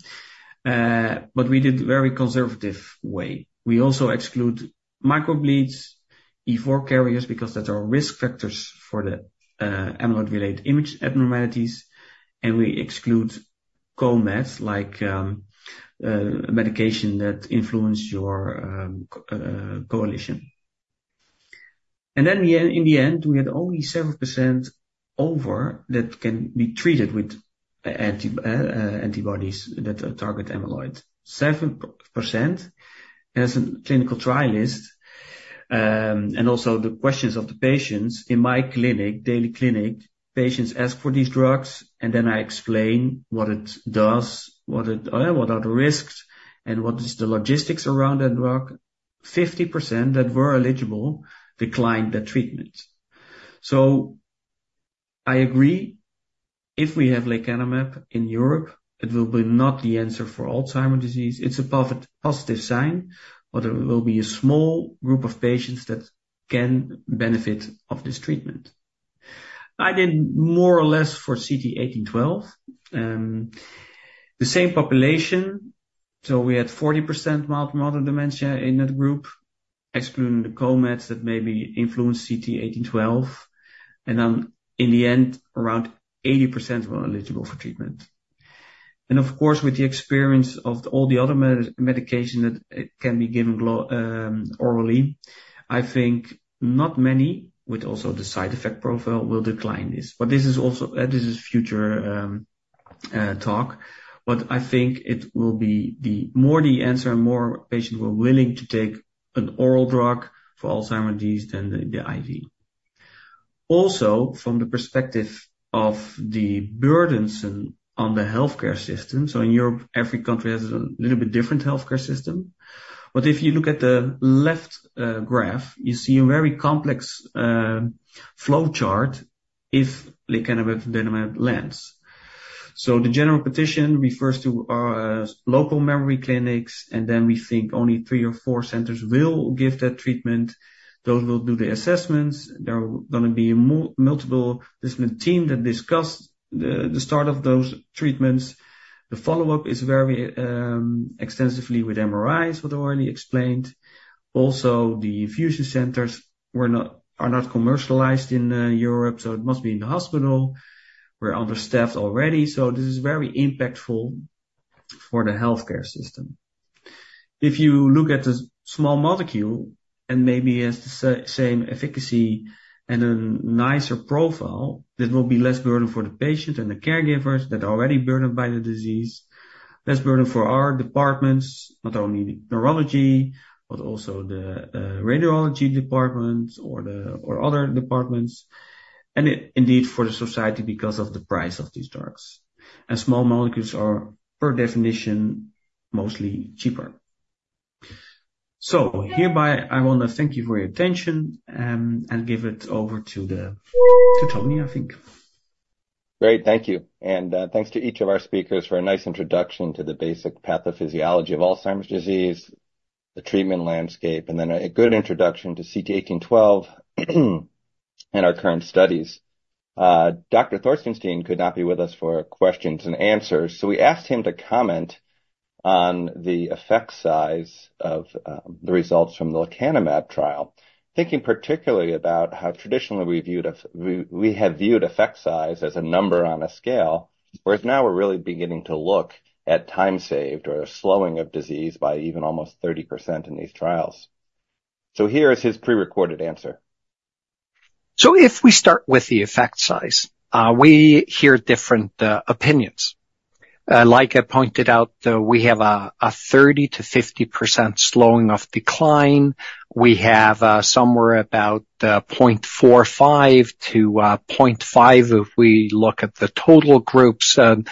We did it very conservative way. We also exclude microbleeds, E4 carriers, because that are risk factors for the amyloid-related imaging abnormalities. We exclude co-meds, like medications that influence cognition. Then in the end, we had only 7% of that that can be treated with antibodies that target amyloid. 7% as eligible. Also, the patients in my daily clinic ask for these drugs, and then I explain what it does, what the risks are, and what the logistics around that drug are. 50% that were eligible declined that treatment. So I agree. If we have lecanemab in Europe, it will not be the answer for Alzheimer's disease. It's a positive sign, but there will be a small group of patients that can benefit from this treatment. I did more or less the same for CT1812. The same population. So we had 40% mild-to-moderate dementia in that group, excluding the co-meds that maybe influence CT1812. Then in the end, around 80% were eligible for treatment. Of course, with the experience of all the other medication that can be given orally, I think not many, with also the side effect profile, will decline this. But this is also future talk. But I think it will be more the answer and more patients will be willing to take an oral drug for Alzheimer's disease than the IV. Also, from the perspective of the burdens on the healthcare system, so in Europe, every country has a little bit different healthcare system. But if you look at the left graph, you see a very complex flow chart if lecanemab and donanemab lands. So the general practitioner refers to local memory clinics, and then we think only three or four centers will give that treatment. Those will do the assessments. There are going to be multiple visits to this team that discuss the start of those treatments. The follow-up is very extensive with MRIs, what I already explained. Also, the infusion centers are not commercialized in Europe, so it must be in the hospital. We're understaffed already. So this is very impactful for the healthcare system. If you look at the small molecule that maybe has the same efficacy and a nicer profile, that will be less burden for the patient and the caregivers that are already burdened by the disease, less burden for our departments, not only neurology, but also the radiology departments or other departments, and indeed for the society because of the price of these drugs. And small molecules are by definition mostly cheaper. So hereby, I want to thank you for your attention and give it over to Tony, I think. Great. Thank you. And thanks to each of our speakers for a nice introduction to the basic pathophysiology of Alzheimer's disease, the treatment landscape, and then a good introduction to CT1812 and our current studies. Dr. Thorsten Steen could not be with us for questions and answers, so we asked him to comment on the effect size of the results from the lecanemab trial, thinking particularly about how traditionally we have viewed effect size as a number on a scale, whereas now we're really beginning to look at time saved or a slowing of disease by even almost 30% in these trials. So here is his prerecorded answer. So if we start with the effect size, we hear different opinions. Like I pointed out, we have a 30%-50% slowing of decline. We have somewhere about 0.45-0.5 if we look at the total groups, a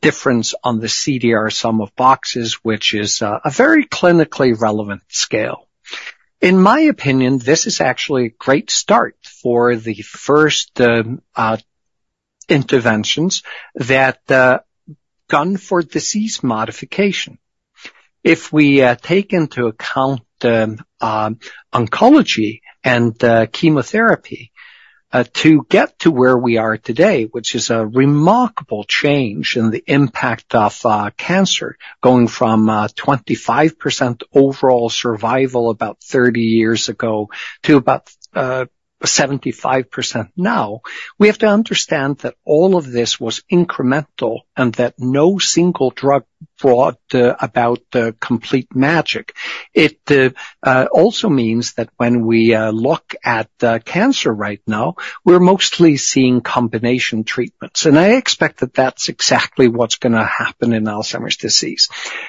difference on the CDR sum of boxes, which is a very clinically relevant scale. In my opinion, this is actually a great start for the first interventions that gun for disease modification. If we take into account oncology and chemotherapy to get to where we are today, which is a remarkable change in the impact of cancer, going from 25% overall survival about 30 years ago to about 75% now, we have to understand that all of this was incremental and that no single drug brought about complete magic. It also means that when we look at cancer right now, we're mostly seeing combination treatments. I expect that that's exactly what's going to happen in Alzheimer's disease,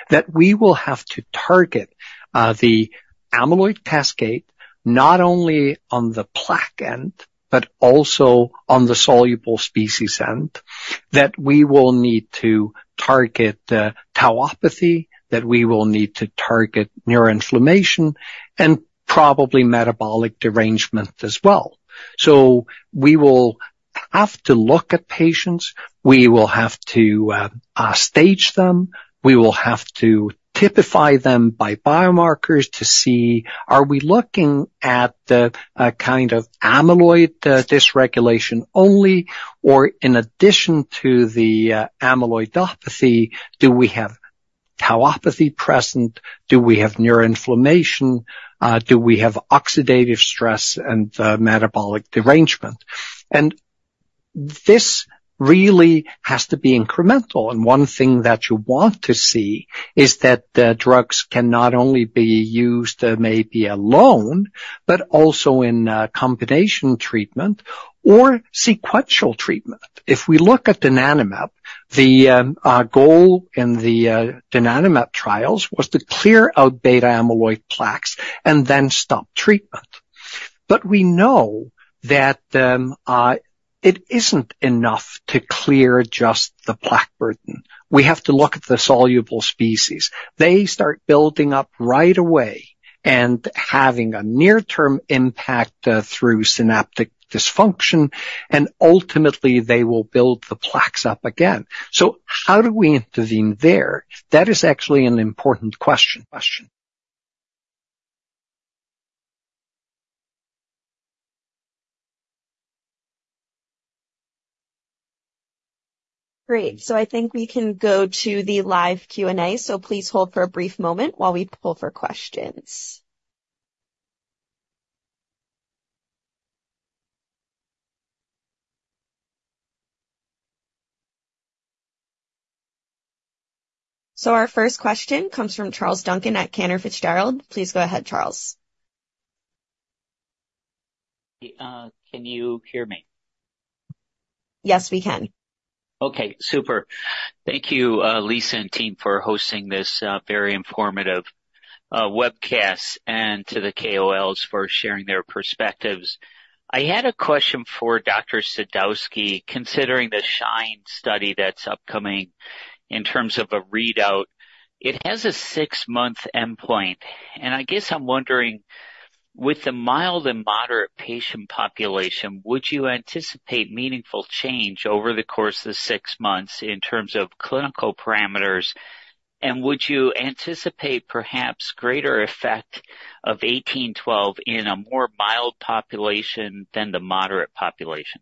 that we will have to target the amyloid cascade not only on the plaque end, but also on the soluble species end, that we will need to target tauopathy, that we will need to target neuroinflammation, and probably metabolic derangement as well. So we will have to look at patients. We will have to stage them. We will have to typify them by biomarkers to see, are we looking at the kind of amyloid dysregulation only, or in addition to the amyloidopathy, do we have tauopathy present? Do we have neuroinflammation? Do we have oxidative stress and metabolic derangement? And this really has to be incremental. And one thing that you want to see is that drugs can not only be used maybe alone, but also in combination treatment or sequential treatment. If we look at donanemab, the goal in the donanemab trials was to clear out amyloid beta plaques and then stop treatment. But we know that it isn't enough to clear just the plaque burden. We have to look at the soluble species. They start building up right away and having a near-term impact through synaptic dysfunction. And ultimately, they will build the plaques up again. So how do we intervene there? That is actually an important question. Great. So I think we can go to the live Q&A. So please hold for a brief moment while we pull for questions. So our first question comes from Charles Duncan at Cantor Fitzgerald. Please go ahead, Charles. Can you hear me? Yes, we can. Okay. Super. Thank you, Lisa and team, for hosting this very informative webcast and to the KOLs for sharing their perspectives. I had a question for Dr. Sadowski, considering the SHINE study that's upcoming in terms of a readout. It has a 6-month endpoint. And I guess I'm wondering, with the mild and moderate patient population, would you anticipate meaningful change over the course of the 6 months in terms of clinical parameters? And would you anticipate perhaps greater effect of 1812 in a more mild population than the moderate population?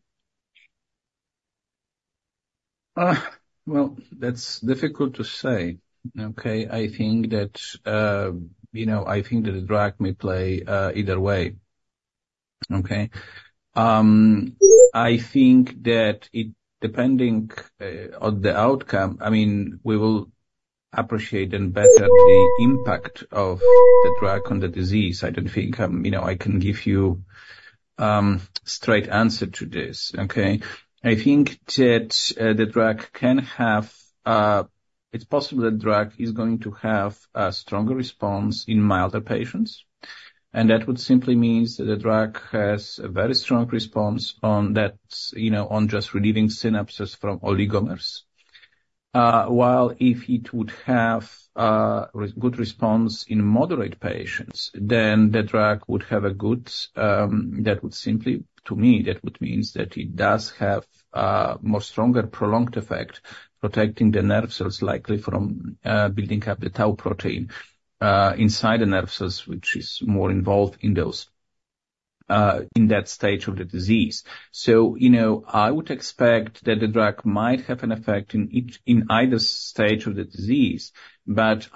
Well, that's difficult to say. Okay. I think that the drug may play either way. Okay. I think that depending on the outcome, I mean, we will appreciate and better the impact of the drug on the disease. I don't think I can give you a straight answer to this. Okay. I think that the drug can have. It's possible that the drug is going to have a stronger response in milder patients. And that would simply mean that the drug has a very strong response on just relieving synapses from oligomers. While if it would have a good response in moderate patients, then the drug would have a good that would simply to me, that would mean that it does have a more stronger prolonged effect protecting the nerve cells likely from building up the tau protein inside the nerve cells, which is more involved in that stage of the disease. So I would expect that the drug might have an effect in either stage of the disease. But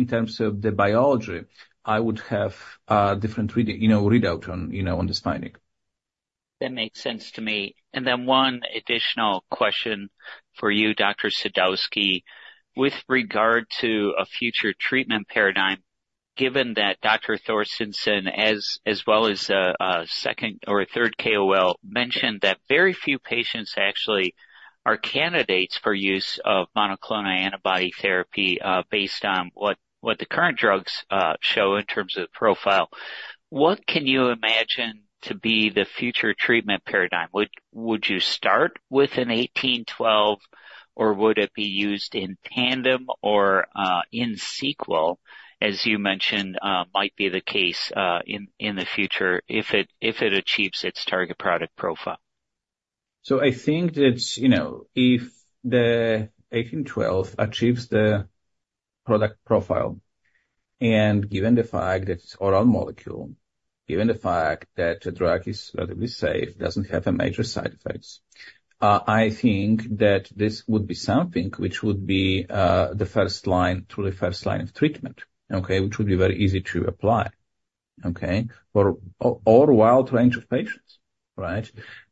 in terms of the biology, I would have a different readout on the spinning. That makes sense to me. Then one additional question for you, Dr. Sadowski. With regard to a future treatment paradigm, given that Dr. Thorsten Steen, as well as a second or a third KOL, mentioned that very few patients actually are candidates for use of monoclonal antibody therapy based on what the current drugs show in terms of the profile, what can you imagine to be the future treatment paradigm? Would you start with an 1812, or would it be used in tandem or in sequence, as you mentioned might be the case in the future if it achieves its target product profile? So I think that if the 1812 achieves the product profile, and given the fact that it's an oral molecule, given the fact that the drug is relatively safe, doesn't have major side effects, I think that this would be something which would be the first line, truly first line of treatment, okay, which would be very easy to apply or a wide range of patients, right?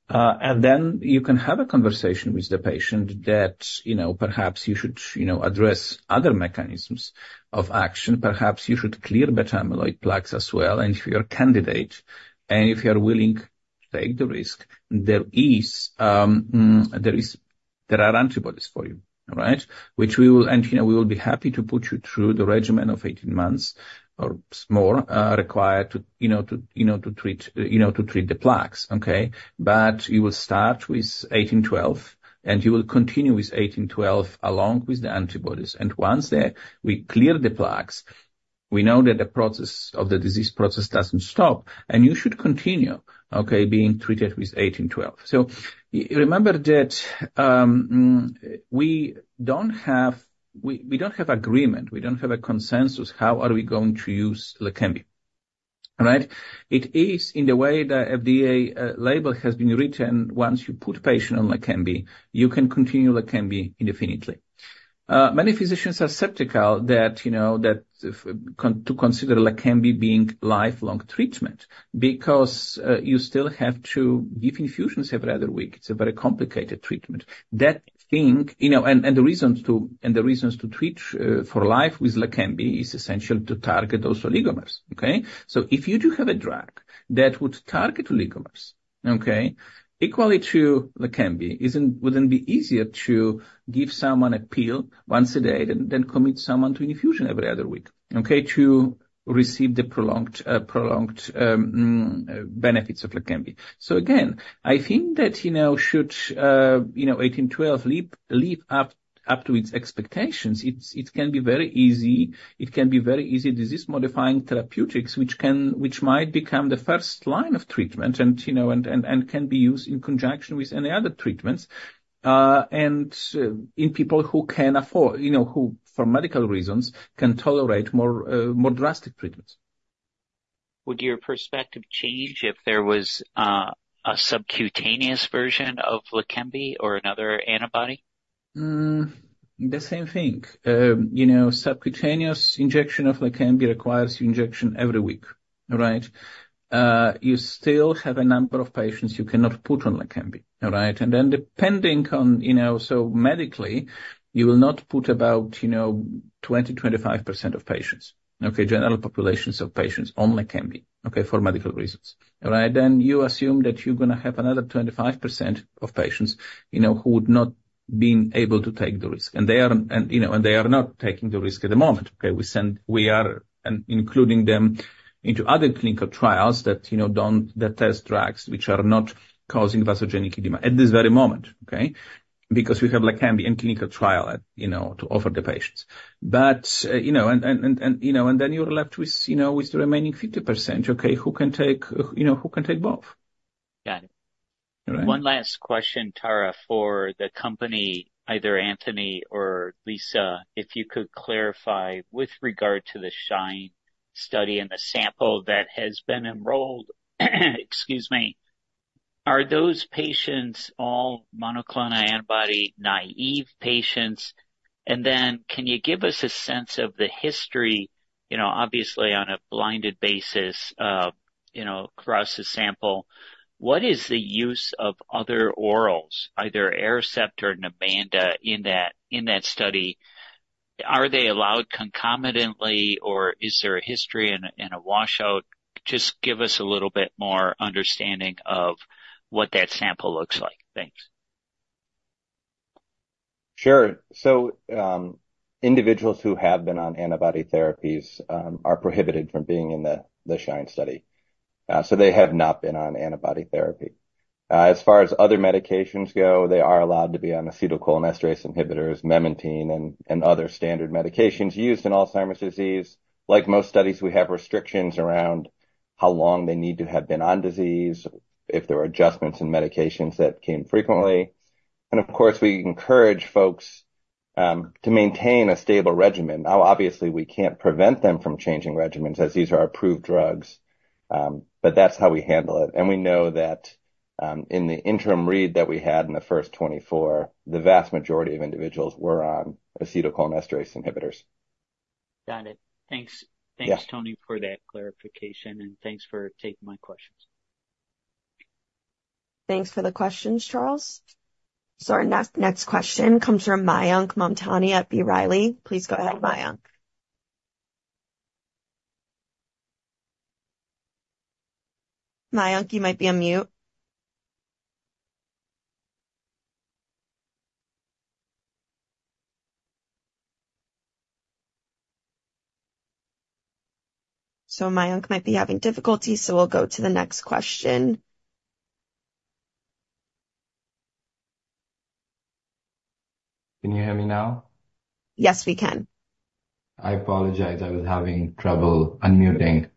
And then you can have a conversation with the patient that perhaps you should address other mechanisms of action. Perhaps you should clear amyloid beta plaques as well. And if you're a candidate and if you're willing to take the risk, there are antibodies for you, right, which we will and we will be happy to put you through the regimen of 18 months or more required to treat the plaques, okay? But you will start with 1812, and you will continue with 1812 along with the antibodies. And once we clear the plaques, we know that the disease process doesn't stop, and you should continue being treated with 1812. So remember that we don't have agreement. We don't have a consensus. How are we going to use Leqembi? Right? It is in the way the FDA label has been written. Once you put a patient on Leqembi, you can continue Leqembi indefinitely. Many physicians are skeptical to consider Leqembi being lifelong treatment because you still have to give infusions every other week. It's a very complicated treatment. That thing and the reasons to treat for life with Leqembi is essential to target those oligomers. Okay? So if you do have a drug that would target oligomers, okay, equally to Leqembi, wouldn't be easier to give someone a pill once a day and then commit someone to an infusion every other week, okay, to receive the prolonged benefits of Leqembi? So again, I think that should CT1812 live up to its expectations. It can be very easy. It can be very easy disease-modifying therapeutics, which might become the first line of treatment and can be used in conjunction with any other treatments and in people who can afford who, for medical reasons, can tolerate more drastic treatments. Would your perspective change if there was a subcutaneous version of Leqembi or another antibody? The same thing. Subcutaneous injection of Leqembi requires your injection every week, right? You still have a number of patients you cannot put on Leqembi, right? And then depending on so medically, you will not put about 20%-25% of patients, okay, general populations of patients on Leqembi, okay, for medical reasons, right? Then you assume that you're going to have another 25% of patients who would not be able to take the risk. And they are not taking the risk at the moment, okay? We are including them into other clinical trials that test drugs which are not causing vasogenic edema at this very moment, okay, because we have Leqembi in clinical trial to offer the patients. And then you're left with the remaining 50%, okay, who can take both. Got it. One last question, Tara, for the company, either Anthony or Lisa, if you could clarify with regard to the SHINE study and the sample that has been enrolled, excuse me, are those patients all monoclonal antibody naive patients? And then can you give us a sense of the history, obviously on a blinded basis across the sample, what is the use of other orals, either Aricept or Namenda in that study? Are they allowed concomitantly, or is there a history and a washout? Just give us a little bit more understanding of what that sample looks like. Thanks. Sure. So individuals who have been on antibody therapies are prohibited from being in the SHINE study. So they have not been on antibody therapy. As far as other medications go, they are allowed to be on acetylcholinesterase inhibitors, memantine, and other standard medications used in Alzheimer's disease. Like most studies, we have restrictions around how long they need to have been with the disease, if there were adjustments in medications that came frequently. And of course, we encourage folks to maintain a stable regimen. Now, obviously, we can't prevent them from changing regimens as these are approved drugs. But that's how we handle it. And we know that in the interim read that we had in the first 24, the vast majority of individuals were on acetylcholinesterase inhibitors. Got it. Thanks. Thanks, Tony, for that clarification. Thanks for taking my questions. Thanks for the questions, Charles. Our next question comes from Mayank Mamtani at B. Riley. Please go ahead, Mayank. Mayank, you might be on mute. Mayank might be having difficulty, so we'll go to the next question. Can you hear me now? Yes, we can. I apologize. I was having trouble unmuting.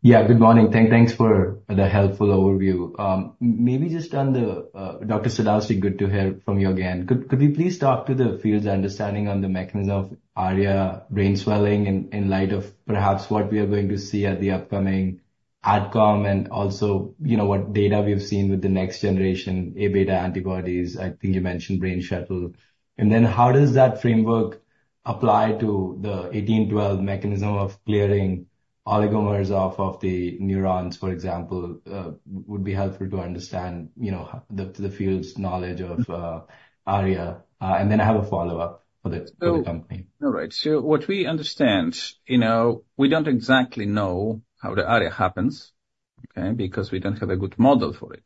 Yeah, good morning. Thanks for the helpful overview. Maybe just on the Dr. Sadowski, good to hear from you again. Could we please talk to the field's understanding on the mechanism of ARIA brain swelling in light of perhaps what we are going to see at the upcoming AdCom and also what data we've seen with the next generation A beta antibodies? I think you mentioned Brain Shuttle. And then how does that framework apply to the 1812 mechanism of clearing oligomers off of the neurons, for example? It would be helpful to understand the field's knowledge of ARIA. And then I have a follow-up for the company. All right. So what we understand, we don't exactly know how the ARIA happens, okay, because we don't have a good model for it,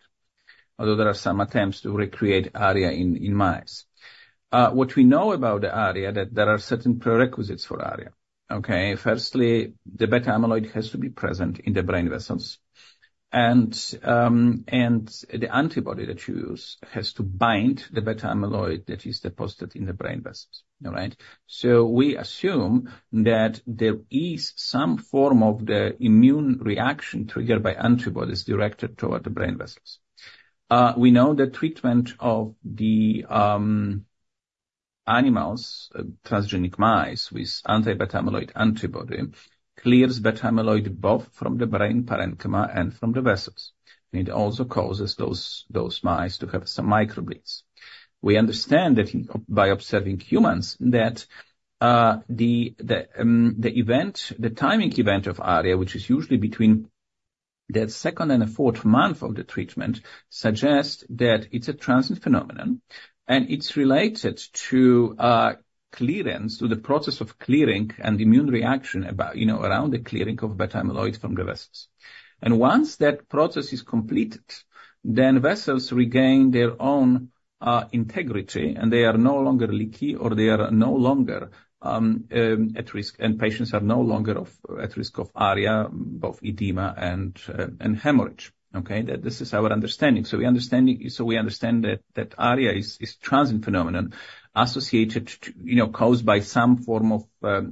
although there are some attempts to recreate ARIA in mice. What we know about the ARIA, that there are certain prerequisites for ARIA, okay? Firstly, the beta amyloid has to be present in the brain vessels. And the antibody that you use has to bind the beta amyloid that is deposited in the brain vessels, all right? So we assume that there is some form of the immune reaction triggered by antibodies directed toward the brain vessels. We know that treatment of the animals, transgenic mice with anti-beta amyloid antibody, clears beta amyloid both from the brain, parenchyma, and from the vessels. And it also causes those mice to have some microbleeds. We understand that by observing humans, that the timing event of ARIA, which is usually between the second and the fourth month of the treatment, suggests that it's a transient phenomenon. It's related to the process of clearing and immune reaction around the clearing of beta amyloid from the vessels. Once that process is completed, then vessels regain their own integrity, and they are no longer leaky or they are no longer at risk, and patients are no longer at risk of ARIA, both edema and hemorrhage, okay? This is our understanding. We understand that ARIA is a transient phenomenon associated, caused by some form of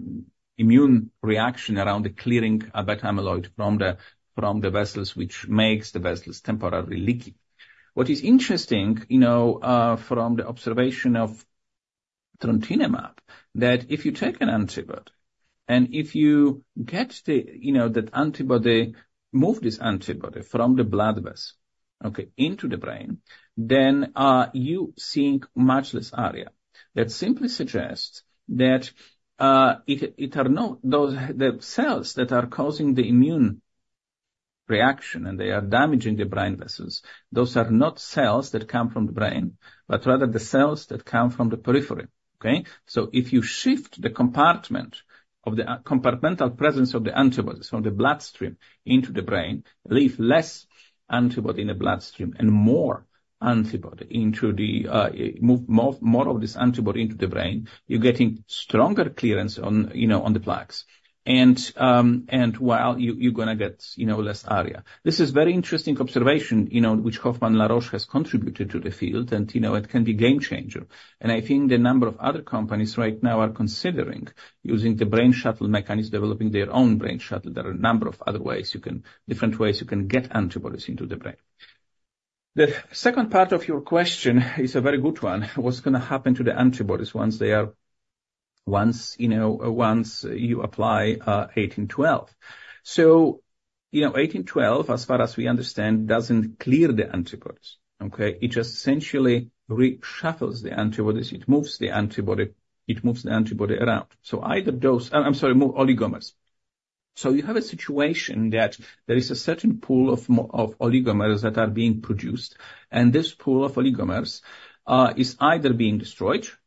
immune reaction around the clearing of beta amyloid from the vessels, which makes the vessels temporarily leaky. What is interesting from the observation of trontinemab, that if you take an antibody and if you get that antibody, move this antibody from the blood vessel, okay, into the brain, then you're seeing much less ARIA. That simply suggests that it are not the cells that are causing the immune reaction, and they are damaging the brain vessels. Those are not cells that come from the brain, but rather the cells that come from the periphery, okay? So if you shift the compartmental presence of the antibodies from the bloodstream into the brain, leave less antibody in the bloodstream and more antibody into the move more of this antibody into the brain, you're getting stronger clearance on the plaques. And while you're going to get less ARIA. This is a very interesting observation, which Roche has contributed to the field, and it can be a game changer. I think the number of other companies right now are considering using the brain shuttle mechanism, developing their own brain shuttle. There are a number of other ways you can get antibodies into the brain. The second part of your question is a very good one. What's going to happen to the antibodies once you apply 1812? So 1812, as far as we understand, doesn't clear the antibodies, okay? It just essentially reshuffles the antibodies. It moves the antibody around. So either those, I'm sorry, move oligomers. So you have a situation that there is a certain pool of oligomers that are being produced, and this pool of oligomers is either being destroyed or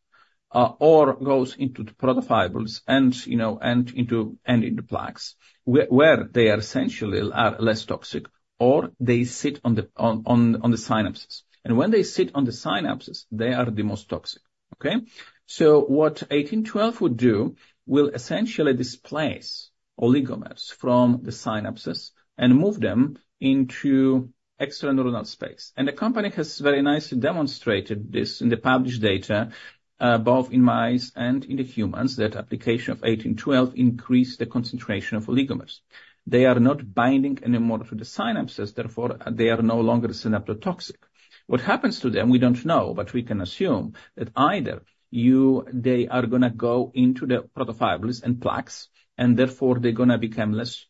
goes into the protofibrils and into the plaques, where they essentially are less toxic, or they sit on the synapses. When they sit on the synapses, they are the most toxic, okay? So what 1812 would do will essentially displace oligomers from the synapses and move them into extraneuronal space. And the company has very nicely demonstrated this in the published data, both in mice and in the humans, that application of 1812 increased the concentration of oligomers. They are not binding anymore to the synapses. Therefore, they are no longer synaptotoxic. What happens to them, we don't know, but we can assume that either they are going to go into the protofibrils and plaques, and therefore, they're going to become less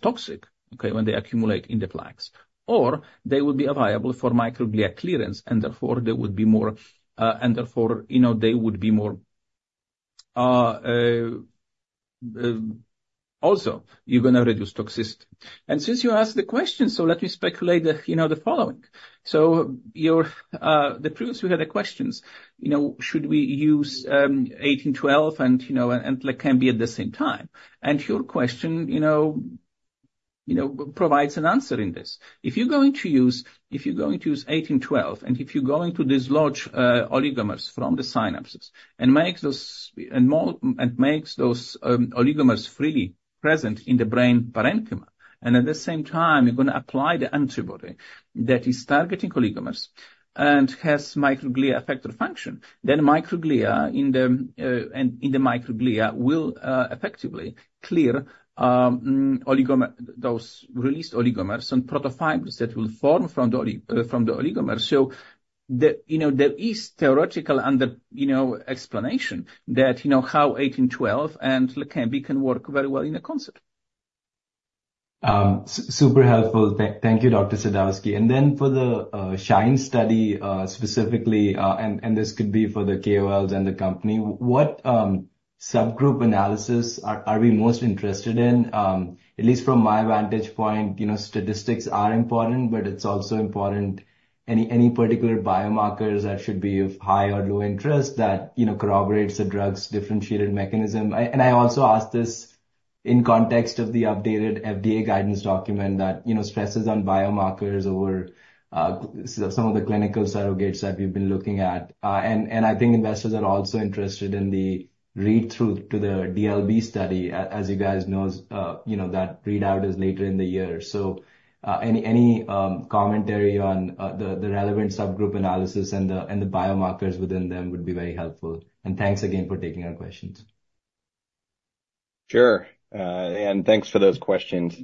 toxic, okay, when they accumulate in the plaques, or they will be available for microglia clearance, and therefore, they would be more and therefore, they would be more also, you're going to reduce toxicity. Since you asked the question, so let me speculate the following. So previously, we had the questions, should we use 1812 and Leqembi at the same time? And your question provides an answer in this. If you're going to use 1812 and if you're going to dislodge oligomers from the synapses and make those oligomers freely present in the brain parenchyma, and at the same time, you're going to apply the antibody that is targeting oligomers and has microglia effector function, then the microglia will effectively clear those released oligomers and protofibrils that will form from the oligomers. So there is theoretical explanation that how 1812 and Leqembi can work very well in a concert. Super helpful. Thank you, Dr. Sadowski. Then for the SHINE study specifically, and this could be for the KOLs and the company, what subgroup analysis are we most interested in? At least from my vantage point, statistics are important, but it's also important any particular biomarkers that should be of high or low interest that corroborates the drug's differentiated mechanism. I also asked this in context of the updated FDA guidance document that stresses on biomarkers over some of the clinical surrogates that we've been looking at. I think investors are also interested in the read-through to the DLB study. As you guys know, that readout is later in the year. Any commentary on the relevant subgroup analysis and the biomarkers within them would be very helpful. Thanks again for taking our questions. Sure. And thanks for those questions.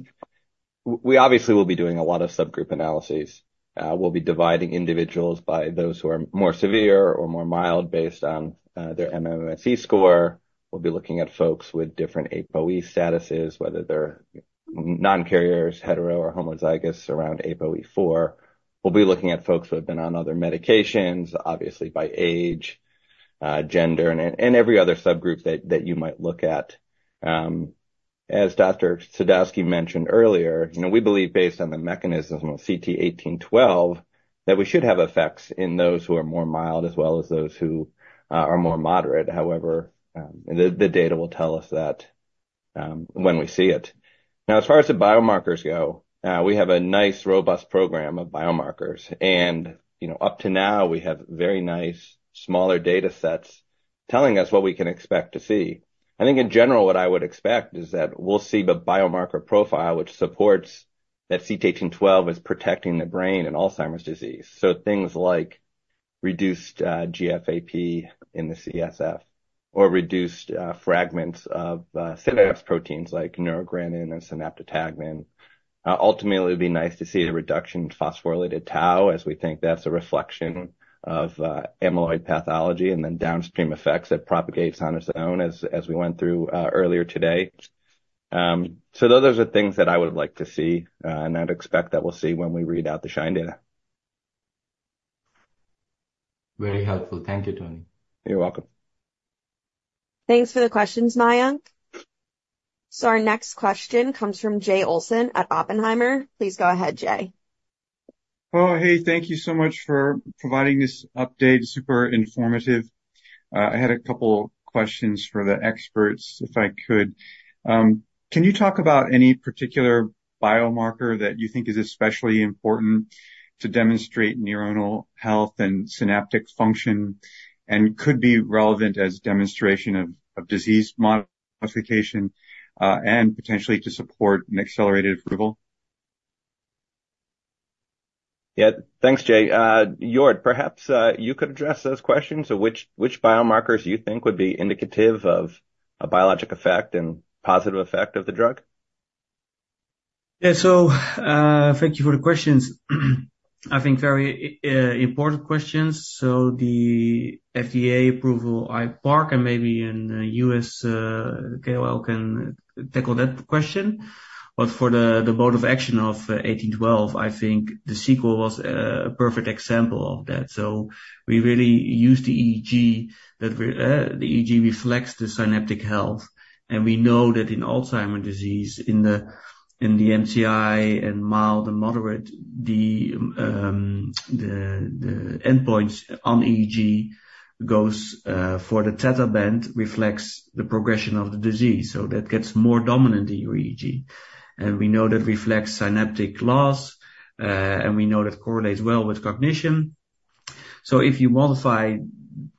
We obviously will be doing a lot of subgroup analyses. We'll be dividing individuals by those who are more severe or more mild based on their MMSE score. We'll be looking at folks with different APOE statuses, whether they're non-carriers, hetero, or homozygous around APOE4. We'll be looking at folks who have been on other medications, obviously, by age, gender, and every other subgroup that you might look at. As Dr. Sadowski mentioned earlier, we believe based on the mechanism of CT1812 that we should have effects in those who are more mild as well as those who are more moderate. However, the data will tell us that when we see it. Now, as far as the biomarkers go, we have a nice, robust program of biomarkers. Up to now, we have very nice, smaller datasets telling us what we can expect to see. I think, in general, what I would expect is that we'll see the biomarker profile which supports that CT1812 is protecting the brain in Alzheimer's Disease. So things like reduced GFAP in the CSF or reduced fragments of synapse proteins like neurogranin and synaptotagmin. Ultimately, it would be nice to see a reduction in phosphorylated tau as we think that's a reflection of amyloid pathology and then downstream effects that propagates on its own as we went through earlier today. So those are the things that I would like to see and I'd expect that we'll see when we read out the SHINE data. Very helpful. Thank you, Tony. You're welcome. Thanks for the questions, Mayank. So our next question comes from Jay Olson at Oppenheimer. Please go ahead, Jay. Oh, hey. Thank you so much for providing this update. Super informative. I had a couple of questions for the experts, if I could. Can you talk about any particular biomarker that you think is especially important to demonstrate neuronal health and synaptic function and could be relevant as demonstration of disease modification and potentially to support an accelerated approval? Yeah. Thanks, Jay. Jort, perhaps you could address those questions. So which biomarkers do you think would be indicative of a biologic effect and positive effect of the drug? Yeah. So thank you for the questions. I think very important questions. So the FDA approval, I park, and maybe in the US, KOL can tackle that question. But for the mode of action of 1812, I think the SEQUEL was a perfect example of that. So we really use the EEG that the EEG reflects the synaptic health. And we know that in Alzheimer's disease, in the MCI and mild and moderate, the endpoints on EEG goes for the theta band reflects the progression of the disease. So that gets more dominant in your EEG. And we know that reflects synaptic loss, and we know that correlates well with cognition. So if you modify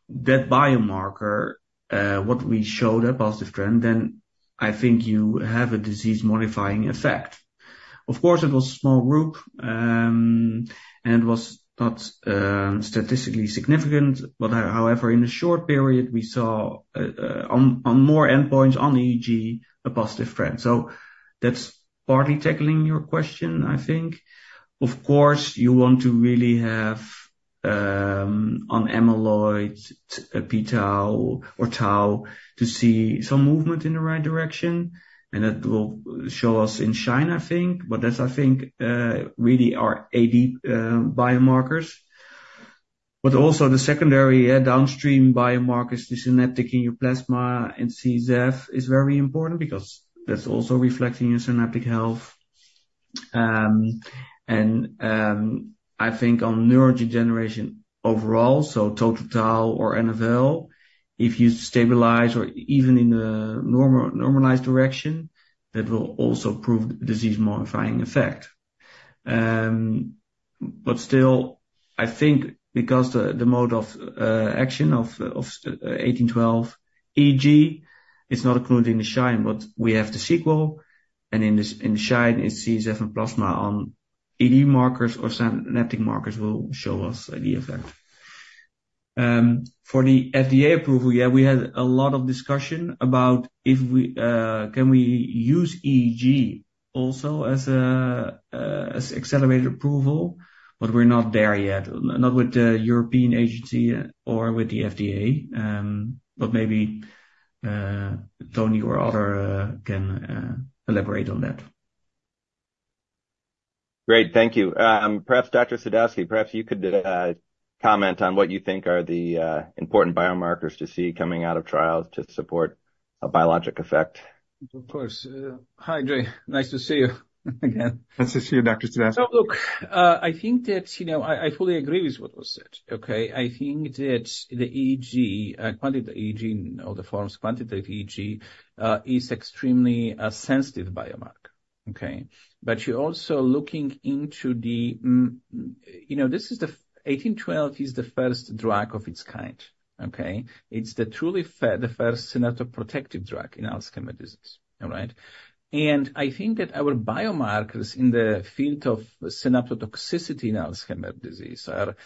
that biomarker, what we showed, a positive trend, then I think you have a disease-modifying effect. Of course, it was a small group, and it was not statistically significant. However, in the short period, we saw on more endpoints on EEG, a positive trend. So that's partly tackling your question, I think. Of course, you want to really have on amyloid p-tau or tau to see some movement in the right direction. And that will show us in SHINE, I think. But that's, I think, really our AD biomarkers. But also, the secondary downstream biomarkers, the synaptic injury in your plasma and CSF, is very important because that's also reflecting your synaptic health. And I think on neurodegeneration overall, so total tau or NFL, if you stabilize or even in a normalized direction, that will also prove the disease-modifying effect. But still, I think because the mode of action of 1812 EEG, it's not included in the SHINE, but we have the SEQUEL. In the SHINE, it's CSF and plasma on ED markers or synaptic markers will show us the effect. For the FDA approval, yeah, we had a lot of discussion about can we use EEG also as accelerated approval, but we're not there yet, not with the European agency or with the FDA. Maybe Tony or other can elaborate on that. Great. Thank you. Perhaps Dr. Sadowski, perhaps you could comment on what you think are the important biomarkers to see coming out of trials to support a biologic effect. Of course. Hi, Jay. Nice to see you again. Nice to see you, Dr. Sadowski. So look, I think that I fully agree with what was said, okay? I think that the EEG, quantitative EEG, all the forms, quantitative EEG, is an extremely sensitive biomarker, okay? But you're also looking into the this is the 1812 is the first drug of its kind, okay? It's truly the first synaptoprotective drug in Alzheimer's disease, all right? And I think that our biomarkers in the field of synaptotoxicity in Alzheimer's disease are a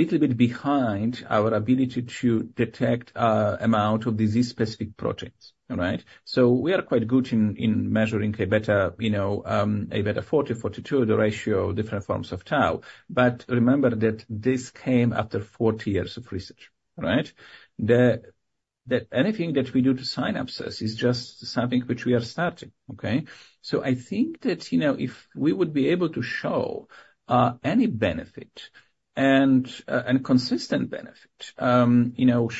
little bit behind our ability to detect an amount of disease-specific proteins, all right? So we are quite good in measuring A-beta-40, 42, the ratio, different forms of tau. But remember that this came after 40 years of research, all right? That anything that we do to synapses is just something which we are starting, okay? So I think that if we would be able to show any benefit and consistent benefit in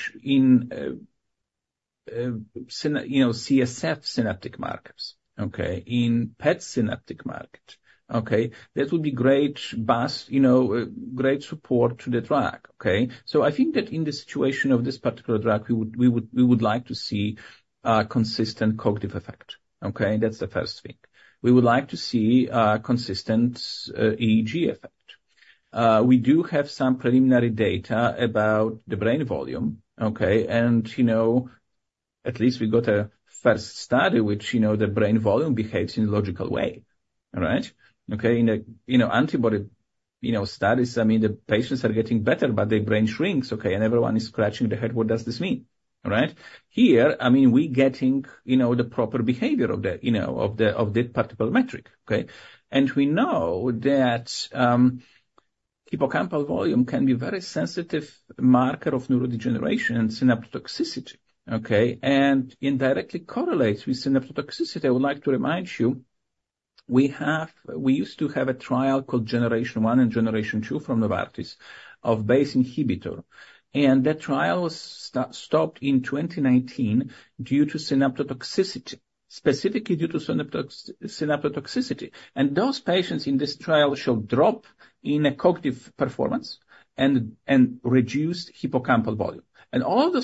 CSF synaptic markers, okay, in PET synaptic marker, okay, that would be great support to the drug, okay? So I think that in the situation of this particular drug, we would like to see a consistent cognitive effect, okay? That's the first thing. We would like to see a consistent EEG effect. We do have some preliminary data about the brain volume, okay? And at least we got a first study which the brain volume behaves in a logical way, all right? Okay? In the antibody studies, I mean, the patients are getting better, but their brain shrinks, okay? And everyone is scratching their head, "What does this mean?" All right? Here, I mean, we're getting the proper behavior of that particular metric, okay? We know that hippocampal volume can be a very sensitive marker of neurodegeneration and synaptotoxicity, okay? And it directly correlates with synaptotoxicity. I would like to remind you, we used to have a trial called Generation 1 and Generation 2 from Novartis of BACE inhibitor. And that trial was stopped in 2019 due to synaptotoxicity, specifically due to synaptotoxicity. And those patients in this trial showed a drop in cognitive performance and reduced hippocampal volume. And all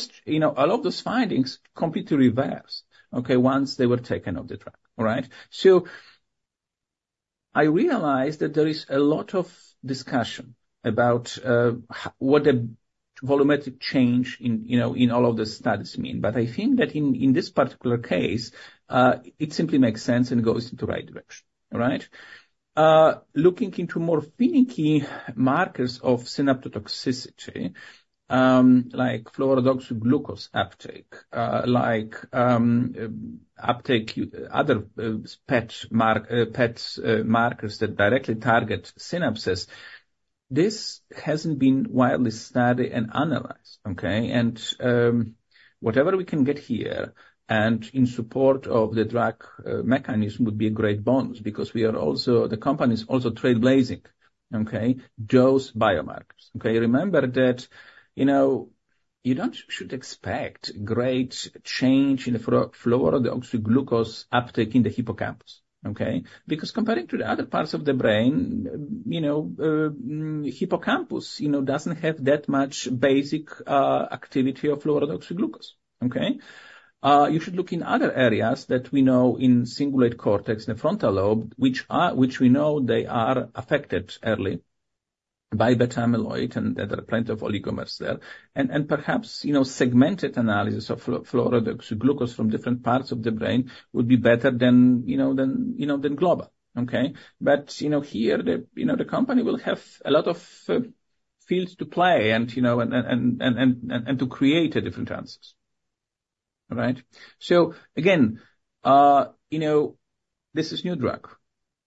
of those findings completely reversed, okay, once they were taken off the drug, all right? So I realize that there is a lot of discussion about what the volumetric change in all of the studies means. But I think that in this particular case, it simply makes sense and goes in the right direction, all right? Looking into more finicky markers of synaptotoxicity, like fluorodeoxyglucose uptake, like other PET markers that directly target synapses, this hasn't been widely studied and analyzed, okay? Whatever we can get here and in support of the drug mechanism would be a great bonus because we are also the company is also trailblazing, okay, those biomarkers, okay? Remember that you don't should expect great change in thefluorodeoxyglucose uptake in the hippocampus, okay? Because comparing to the other parts of the brain, hippocampus doesn't have that much basic activity offluorodeoxyglucose, okay? You should look in other areas that we know in the cingulate cortex and the frontal lobe, which we know they are affected early by beta-amyloid and that there are plenty of oligomers there. Perhaps segmented analysis of fluorodeoxyglucose from different parts of the brain would be better than global, okay? But here, the company will have a lot of fields to play and to create different answers, all right? So again, this is a new drug.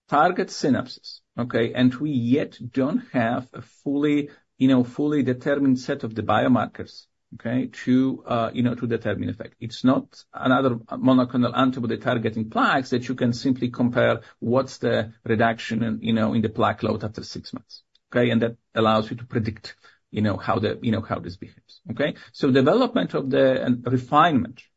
Target synapses, okay? And we yet don't have a fully determined set of the biomarkers, okay, to determine effect. It's not another monoclonal antibody targeting plaques that you can simply compare what's the reduction in the plaque load after six months, okay? And that allows you to predict how this behaves, okay? So development of the refinement, let's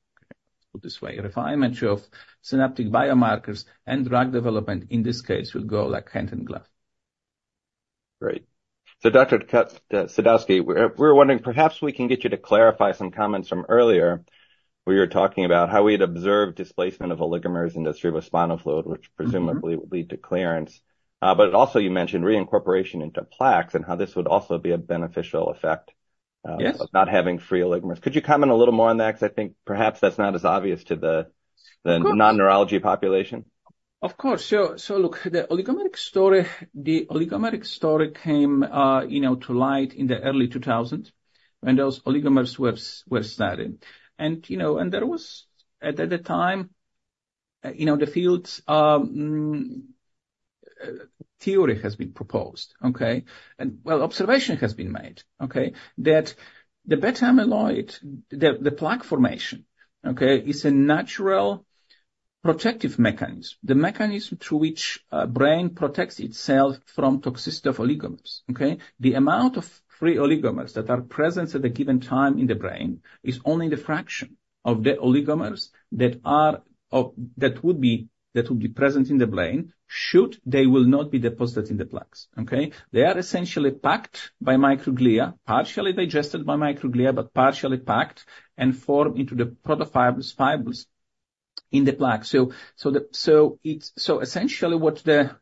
put it this way, refinement of synaptic biomarkers and drug development, in this case, will go like hand and glove. Great. So Dr. Sadowski, we were wondering perhaps we can get you to clarify some comments from earlier where you were talking about how we had observed displacement of oligomers in the cerebrospinal fluid, which presumably would lead to clearance. But also, you mentioned reincorporation into plaques and how this would also be a beneficial effect of not having free oligomers. Could you comment a little more on that because I think perhaps that's not as obvious to the non-neurology population? Of course. So look, the oligomeric story came to light in the early 2000s when those oligomers were studied. And there was, at the time, the fibril theory has been proposed, okay? And well, observation has been made, okay, that the beta-amyloid, the plaque formation, okay, is a natural protective mechanism, the mechanism through which the brain protects itself from toxicity of oligomers, okay? The amount of free oligomers that are present at a given time in the brain is only the fraction of the oligomers that would be present in the brain should they will not be deposited in the plaques, okay? They are essentially packed by microglia, partially digested by microglia, but partially packed and formed into the protofibrils in the plaque. So essentially, what the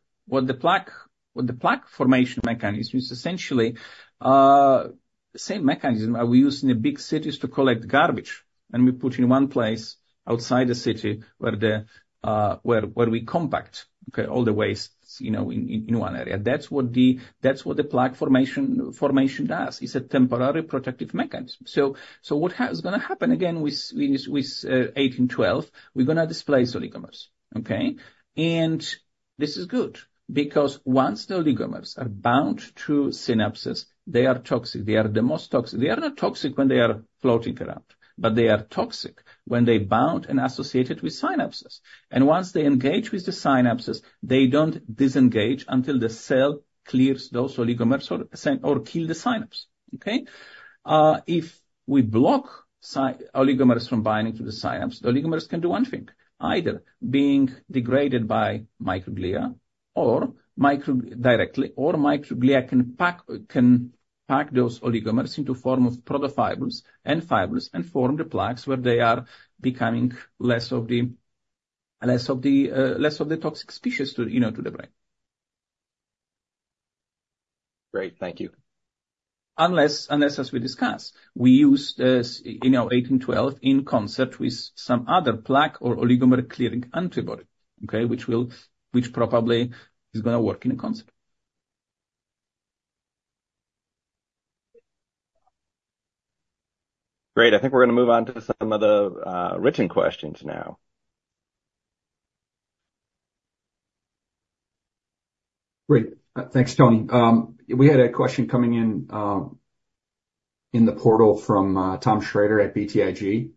plaque formation mechanism is essentially the same mechanism that we use in the big cities to collect garbage. We put in one place outside the city where we compact, okay, all the waste in one area. That's what the plaque formation does. It's a temporary protective mechanism. So what is going to happen again with 1812? We're going to displace oligomers, okay? And this is good because once the oligomers are bound to synapses, they are toxic. They are the most toxic. They are not toxic when they are floating around, but they are toxic when they bound and associated with synapses. And once they engage with the synapses, they don't disengage until the cell clears those oligomers or kill the synapse, okay? If we block oligomers from binding to the synapse, the oligomers can do one thing, either being degraded by microglia directly, or microglia can pack those oligomers into the form of protofibrils and fibrils and form the plaques where they are becoming less of the toxic species to the brain. Great. Thank you. Unless, as we discussed, we use 1812 in concert with some other plaque or oligomer clearing antibody, okay, which probably is going to work in concert. Great. I think we're going to move on to some of the written questions now. Great. Thanks, Tony. We had a question coming in in the portal from Tom Shrader at BTIG.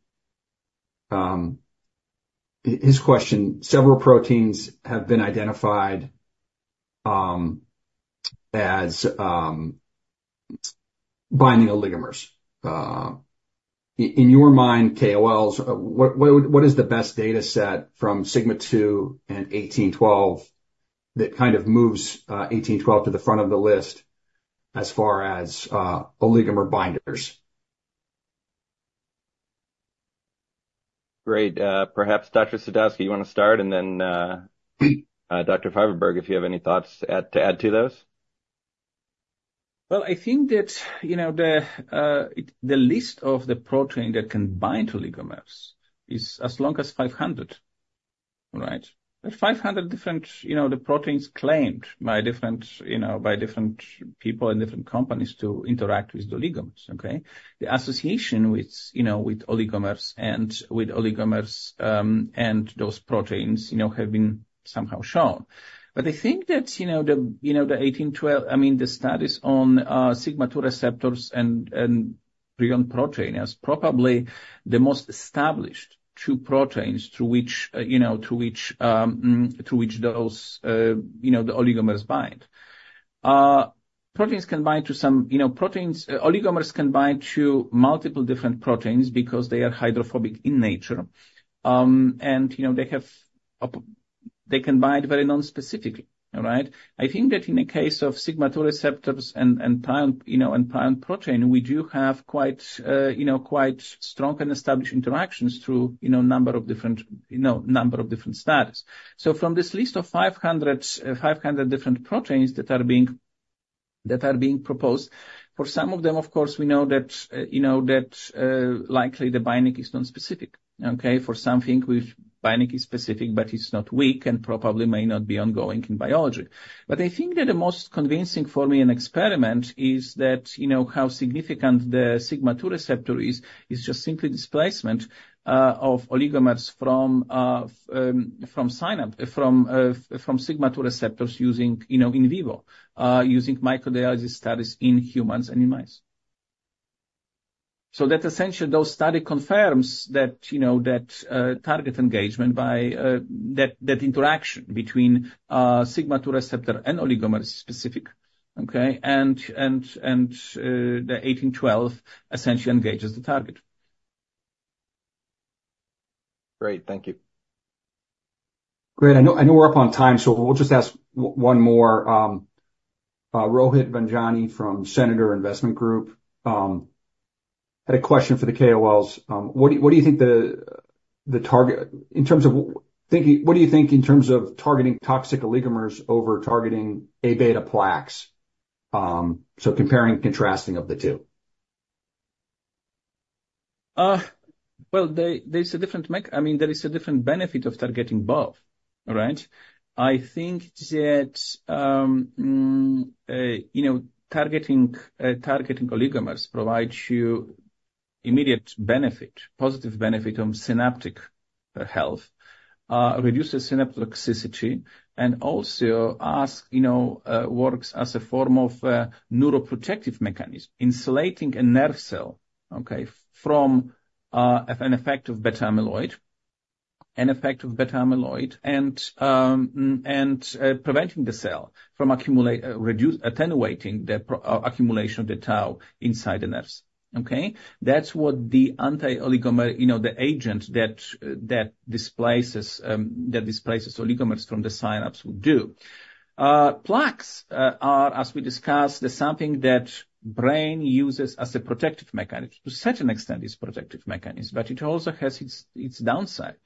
His question: several proteins have been identified as binding oligomers. In your mind, KOLs, what is the best dataset from sigma-2 and 1812 that kind of moves 1812 to the front of the list as far as oligomer binders? Great. Perhaps Dr. Sadowski, you want to start, and then Dr. Vijverberg, if you have any thoughts to add to those? Well, I think that the list of the protein that can bind to oligomers is as long as 500, all right? There are 500 different the proteins claimed by different people and different companies to interact with the oligomers, okay? The association with oligomers and with oligomers and those proteins have been somehow shown. But I think that the 1812 I mean, the studies on sigma-2 receptors and prion protein are probably the most established two proteins through which those the oligomers bind. Proteins can bind to some proteins. Oligomers can bind to multiple different proteins because they are hydrophobic in nature, and they can bind very nonspecifically, all right? I think that in the case of sigma-2 receptors and prion protein, we do have quite strong and established interactions through a number of different number of different studies. So from this list of 500 different proteins that are being proposed, for some of them, of course, we know that likely the binding is nonspecific, okay? For something, the binding is specific, but it's not weak and probably may not be ongoing in biology. But I think that the most convincing for me in experiment is that how significant the Sigma-2 receptor is, is just simply displacement of oligomers from Sigma-2 receptors in vivo, using microdialysis studies in humans and in mice. So that essentially, those studies confirm that target engagement by that interaction between Sigma-2 receptor and oligomers is specific, okay? And the 1812 essentially engages the target. Great. Thank you. Great. I know we're up on time, so we'll just ask one more. Rohit Vanjani from Senator Investment Group had a question for the KOLs. What do you think the target in terms of what do you think in terms of targeting toxic oligomers over targeting A-beta plaques, so comparing and contrasting of the two? Well, there is a different I mean, there is a different benefit of targeting both, all right? I think that targeting oligomers provides you immediate benefit, positive benefit on synaptic health, reduces synaptotoxicity, and also works as a form of neuroprotective mechanism, insulating a nerve cell, okay, from an effect of beta-amyloid, an effect of beta-amyloid, and preventing the cell from attenuating the accumulation of the tau inside the nerves, okay? That's what the anti-oligomer the agent that displaces oligomers from the synapse would do. Plaques are, as we discussed, something that the brain uses as a protective mechanism, to such an extent is a protective mechanism, but it also has its downside.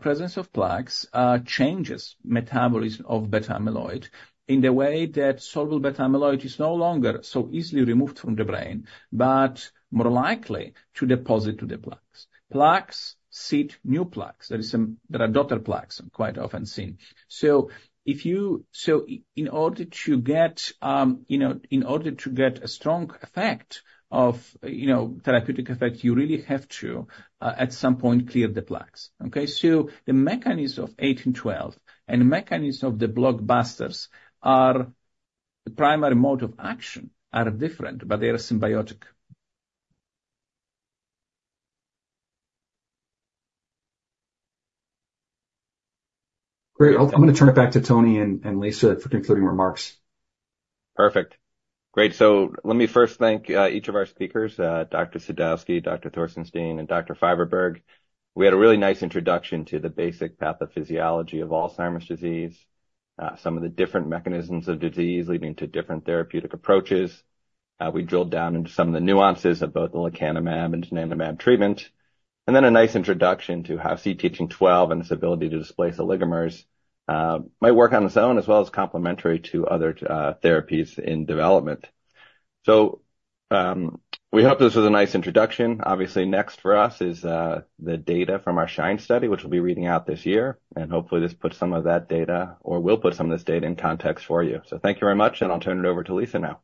Presence of plaques changes the metabolism of beta-amyloid in the way that soluble beta-amyloid is no longer so easily removed from the brain, but more likely to deposit to the plaques. Plaques seed new plaques. There are daughter plaques quite often seen. So in order to get a strong effect of therapeutic effect, you really have to, at some point, clear the plaques, okay? So the mechanism of 1812 and the mechanism of the blockbusters are the primary mode of action different, but they are symbiotic. Great. I'm going to turn it back to Tony and Lisa for concluding remarks. Perfect. Great. So let me first thank each of our speakers, Dr. Sadowski, Dr. Thorsten Steen, and Dr. Vijverberg. We had a really nice introduction to the basic pathophysiology of Alzheimer's disease, some of the different mechanisms of disease leading to different therapeutic approaches. We drilled down into some of the nuances of both the lecanemab and donanemab treatment, and then a nice introduction to how CT1812 and its ability to displace oligomers might work on its own as well as complementary to other therapies in development. So we hope this was a nice introduction. Obviously, next for us is the data from our SHINE study, which we'll be reading out this year. And hopefully, this puts some of that data or will put some of this data in context for you. So thank you very much, and I'll turn it over to Lisa now.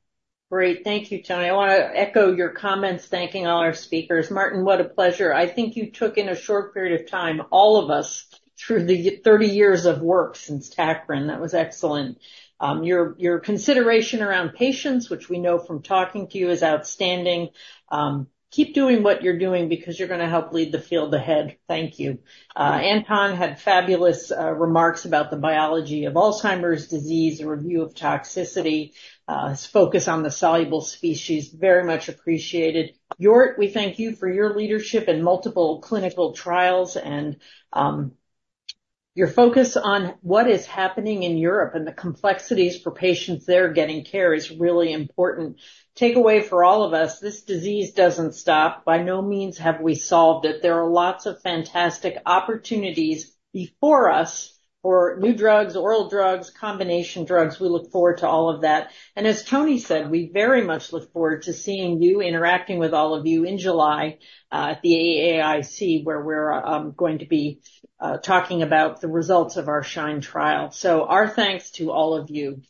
Great. Thank you, Tony. I want to echo your comments thanking all our speakers. Martin, what a pleasure. I think you took in a short period of time, all of us, through the 30 years of work since Tacrine. That was excellent. Your consideration around patients, which we know from talking to you, is outstanding. Keep doing what you're doing because you're going to help lead the field ahead. Thank you. Anton had fabulous remarks about the biology of Alzheimer's disease, a review of toxicity, his focus on the soluble species. Very much appreciated. Jort, we thank you for your leadership in multiple clinical trials. Your focus on what is happening in Europe and the complexities for patients there getting care is really important. Takeaway for all of us, this disease doesn't stop. By no means have we solved it. There are lots of fantastic opportunities before us for new drugs, oral drugs, combination drugs. We look forward to all of that. As Tony said, we very much look forward to seeing you interacting with all of you in July at the AAIC, where we're going to be talking about the results of our SHINE trial. Our thanks to all of you.